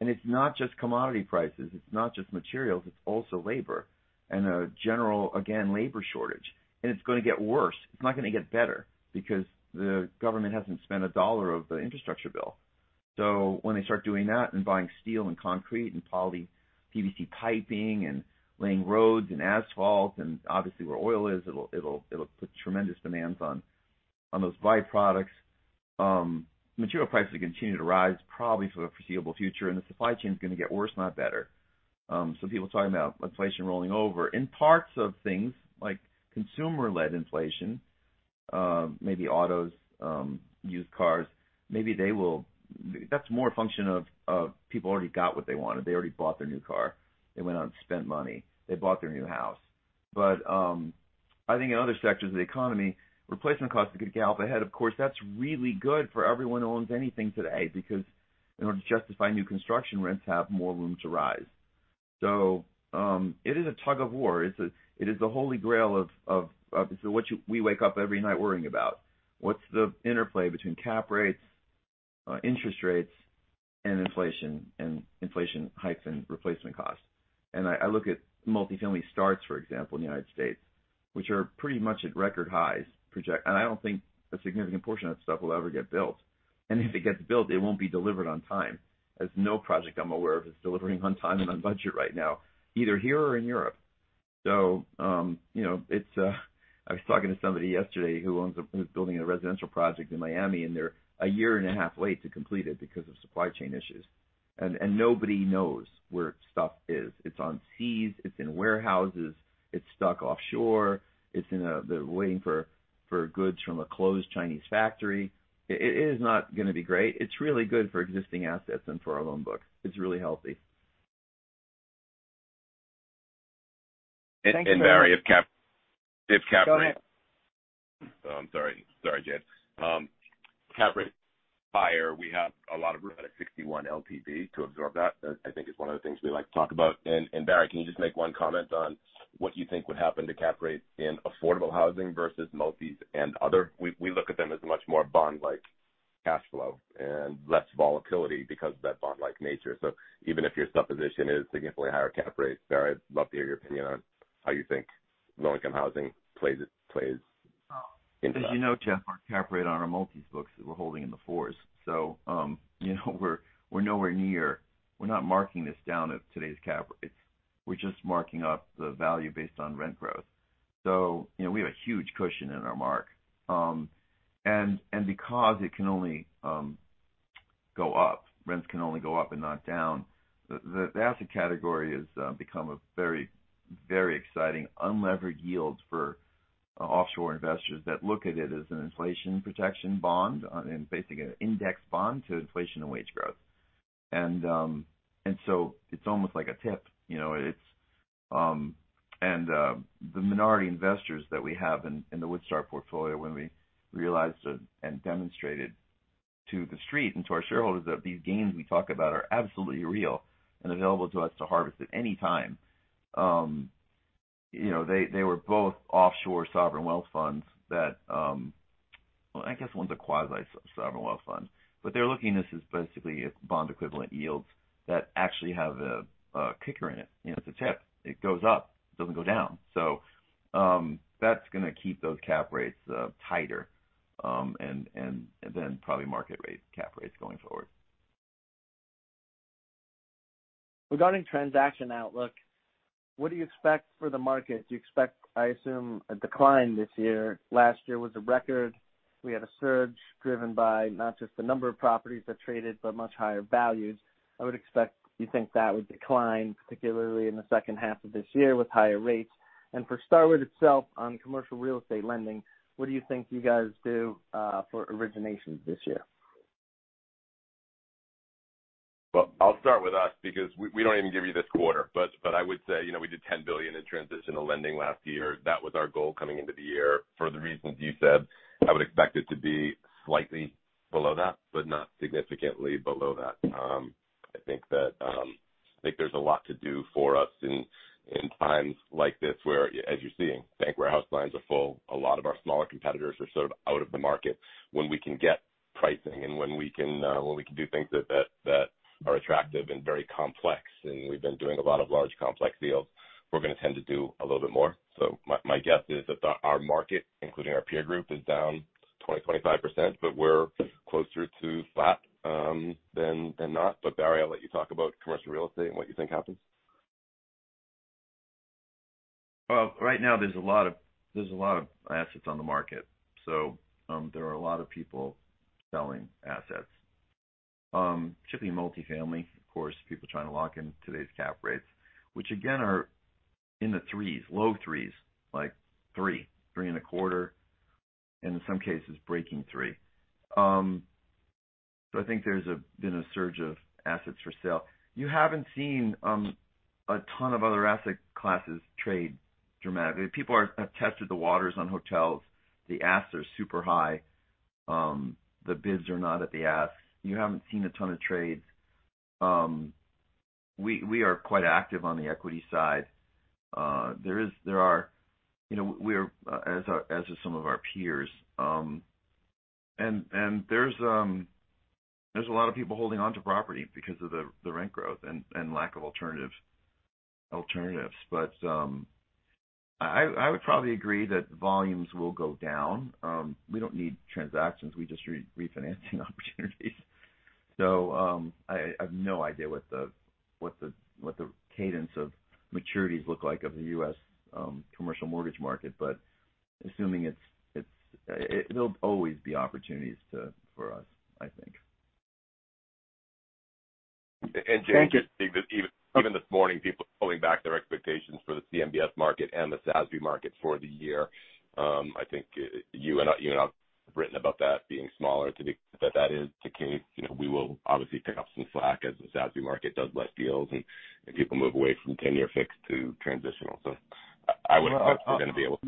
It's not just commodity prices, it's not just materials, it's also labor and a general, again, labor shortage. It's gonna get worse. It's not gonna get better because the government hasn't spent a dollar of the infrastructure bill. When they start doing that and buying steel and concrete and poly PVC piping and laying roads and asphalt, and obviously where oil is, it'll put tremendous demands on those byproducts. Material prices continue to rise probably for the foreseeable future, and the supply chain is gonna get worse, not better. Some people talking about inflation rolling over. In parts of things like consumer-led inflation, maybe autos, used cars, maybe they will. That's more a function of people already got what they wanted. They already bought their new car. They went out and spent money. They bought their new house. I think in other sectors of the economy, replacement costs are gonna gallop ahead. Of course, that's really good for everyone who owns anything today because in order to justify new construction, rents have more room to rise. It is a tug of war. It is the holy grail of. This is what we wake up every night worrying about. What's the interplay between cap rates, interest rates and inflation and inflation hikes and replacement costs. I look at multifamily starts, for example, in the United States, which are pretty much at record highs. I don't think a significant portion of that stuff will ever get built. If it gets built, it won't be delivered on time, as no project I'm aware of is delivering on time and on budget right now, either here or in Europe. I was talking to somebody yesterday who's building a residential project in Miami, and they're a year and a half late to complete it because of supply chain issues. Nobody knows where stuff is. It's on seas, it's in warehouses, it's stuck offshore. They're waiting for goods from a closed Chinese factory. It is not gonna be great. It's really good for existing assets and for our loan book. It's really healthy. Thanks very much. Barry, if cap rates. Sorry. Sorry, Jade. Cap rate higher. We have a lot of room at a 61 LTV to absorb that. I think it's one of the things we like to talk about. Barry, can you just make one comment on what you think would happen to cap rates in affordable housing versus multis and other? We look at them as much more bond-like cash flow and less volatility because of that bond-like nature. Even if your supposition is significantly higher cap rates, Barry, I'd love to hear your opinion on how you think low-income housing plays into that. As you know, Jeff, our cap rate on our multis books that we're holding in the fours. You know, we're nowhere near. We're not marking this down at today's cap rates. We're just marking up the value based on rent growth. You know, we have a huge cushion in our mark. And because it can only go up, rents can only go up and not down, the asset category has become a very, very exciting unlevered yield for offshore investors that look at it as an inflation protection bond and basically an index bond to inflation and wage growth. And so it's almost like a TIPS, you know. It's The minority investors that we have in the Woodstar portfolio, when we realized and demonstrated to the street and to our shareholders that these gains we talk about are absolutely real and available to us to harvest at any time, you know, they were both offshore sovereign wealth funds that. Well, I guess one's a quasi sovereign wealth fund, but they're looking at this as basically a bond equivalent yields that actually have a kicker in it. You know, it's a TIPS. It goes up. It doesn't go down. So, that's gonna keep those cap rates tighter, and then probably market rate cap rates going forward. Regarding transaction outlook, what do you expect for the market? Do you expect, I assume, a decline this year? Last year was a record. We had a surge driven by not just the number of properties that traded, but much higher values. I would expect you think that would decline, particularly in the second half of this year with higher rates. For Starwood itself, on commercial real estate lending, what do you think you guys do, for originations this year? Well, I'll start with us because we don't even give guidance this quarter. I would say, you know, we did $10 billion in transitional lending last year. That was our goal coming into the year. For the reasons you said, I would expect it to be slightly below that, but not significantly below that. I think there's a lot to do for us in times like this, where, as you're seeing, bank warehouse lines are full. A lot of our smaller competitors are sort of out of the market. When we can get pricing and when we can do things that are attractive and very complex, and we've been doing a lot of large, complex deals, we're gonna tend to do a little bit more. My guess is that our market, including our peer group, is down 20%-25%, but we're closer to flat than not. Barry, I'll let you talk about commercial real estate and what you think happens. Well, right now there's a lot of assets on the market. There are a lot of people selling assets. Typically multifamily, of course, people trying to lock in today's cap rates, which again, are in the 3s, low 3s, like 3%, 3.25%, and in some cases breaking 3%. I think there's been a surge of assets for sale. You haven't seen a ton of other asset classes trade dramatically. People have tested the waters on hotels. The asks are super high. The bids are not at the ask. You haven't seen a ton of trades. We are quite active on the equity side. You know, we're, as are some of our peers. There's a lot of people holding onto property because of the rent growth and lack of alternatives. I would probably agree that volumes will go down. We don't need transactions. We just need refinancing opportunities. I have no idea what the cadence of maturities look like of the U.S. commercial mortgage market, but assuming it's, there'll always be opportunities for us, I think. Thank you. Jade, even this morning, people pulling back their expectations for the CMBS market and the SASB market for the year. I think you and I have written about that being smaller, that is the case. You know, we will obviously pick up some slack as the SASB market does less deals and people move away from 10-year fixed to transitional. I would expect we're gonna be able to.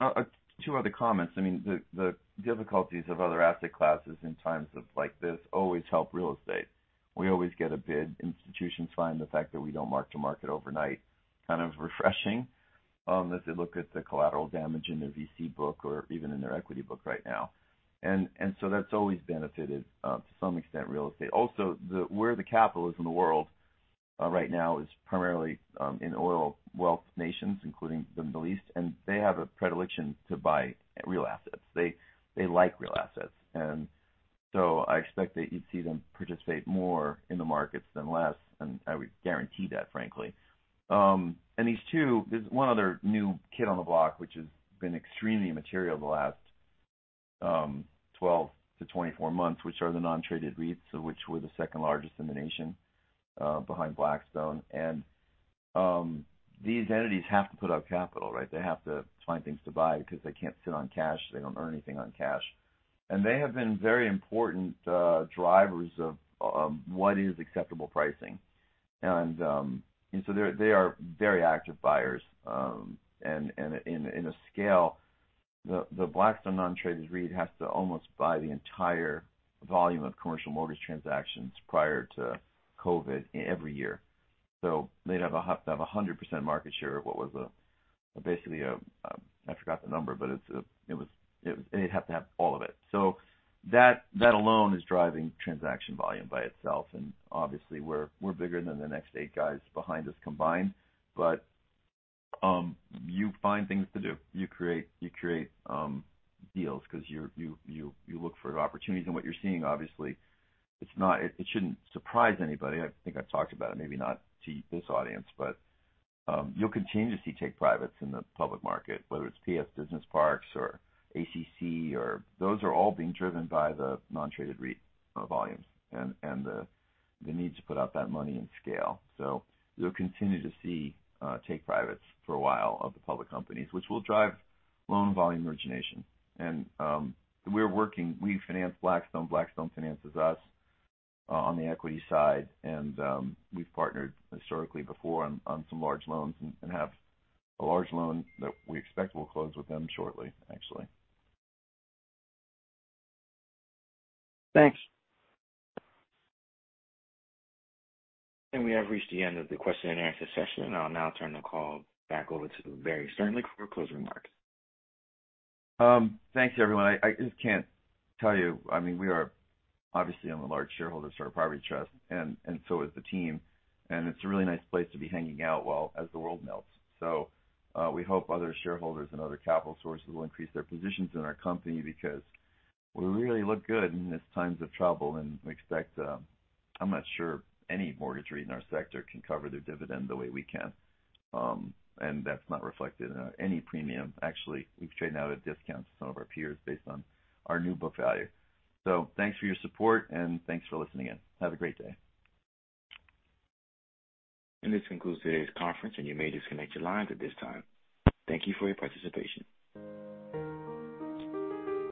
No. Two other comments. I mean, the difficulties of other asset classes in times like this always help real estate. We always get a bid. Institutions find the fact that we don't mark to market overnight kind of refreshing as they look at the collateral damage in their VC book or even in their equity book right now. That's always benefited to some extent real estate. Also, where the capital is in the world right now is primarily in oil wealth nations, including the Middle East, and they have a predilection to buy real assets. They like real assets. I expect that you'd see them participate more in the markets than less, and I would guarantee that, frankly. These two. There's one other new kid on the block, which has been extremely material the last 12-24 months, which are the non-traded REITs, which we're the second largest in the nation behind Blackstone. These entities have to put out capital, right? They have to find things to buy because they can't sit on cash. They don't earn anything on cash. They have been very important drivers of what is acceptable pricing. They are very active buyers. On a scale, the Blackstone non-traded REIT has to almost buy the entire volume of commercial mortgage transactions prior to COVID every year. They'd have 100% market share of what was basically a I forgot the number, but it was. They'd have to have all of it. That alone is driving transaction volume by itself. Obviously we're bigger than the next eight guys behind us combined. You find things to do. You create deals 'cause you look for opportunities. What you're seeing, obviously, it shouldn't surprise anybody. I think I've talked about it, maybe not to this audience, but you'll continue to see take privates in the public market, whether it's PS Business Parks or ACC. Those are all being driven by the non-traded REIT volumes and the need to put out that money and scale. You'll continue to see take privates for a while of the public companies, which will drive loan volume origination. We're working. We finance Blackstone finances us on the equity side. We've partnered historically before on some large loans and have a large loan that we expect will close with them shortly, actually. Thanks. We have reached the end of the question and answer session. I'll now turn the call back over to Barry Sternlicht for closing remarks. Thanks everyone. I just can't tell you. I mean, we are obviously large shareholders of Starwood Property Trust, and so is the team, and it's a really nice place to be hanging out while the world melts. We hope other shareholders and other capital sources will increase their positions in our company because we really look good in these times of trouble and we expect. I'm not sure any mortgage REIT in our sector can cover their dividend the way we can. That's not reflected in any premium. Actually, we've traded now at a discount to some of our peers based on our new book value. Thanks for your support, and thanks for listening in. Have a great day. This concludes today's conference, and you may disconnect your lines at this time. Thank you for your participation.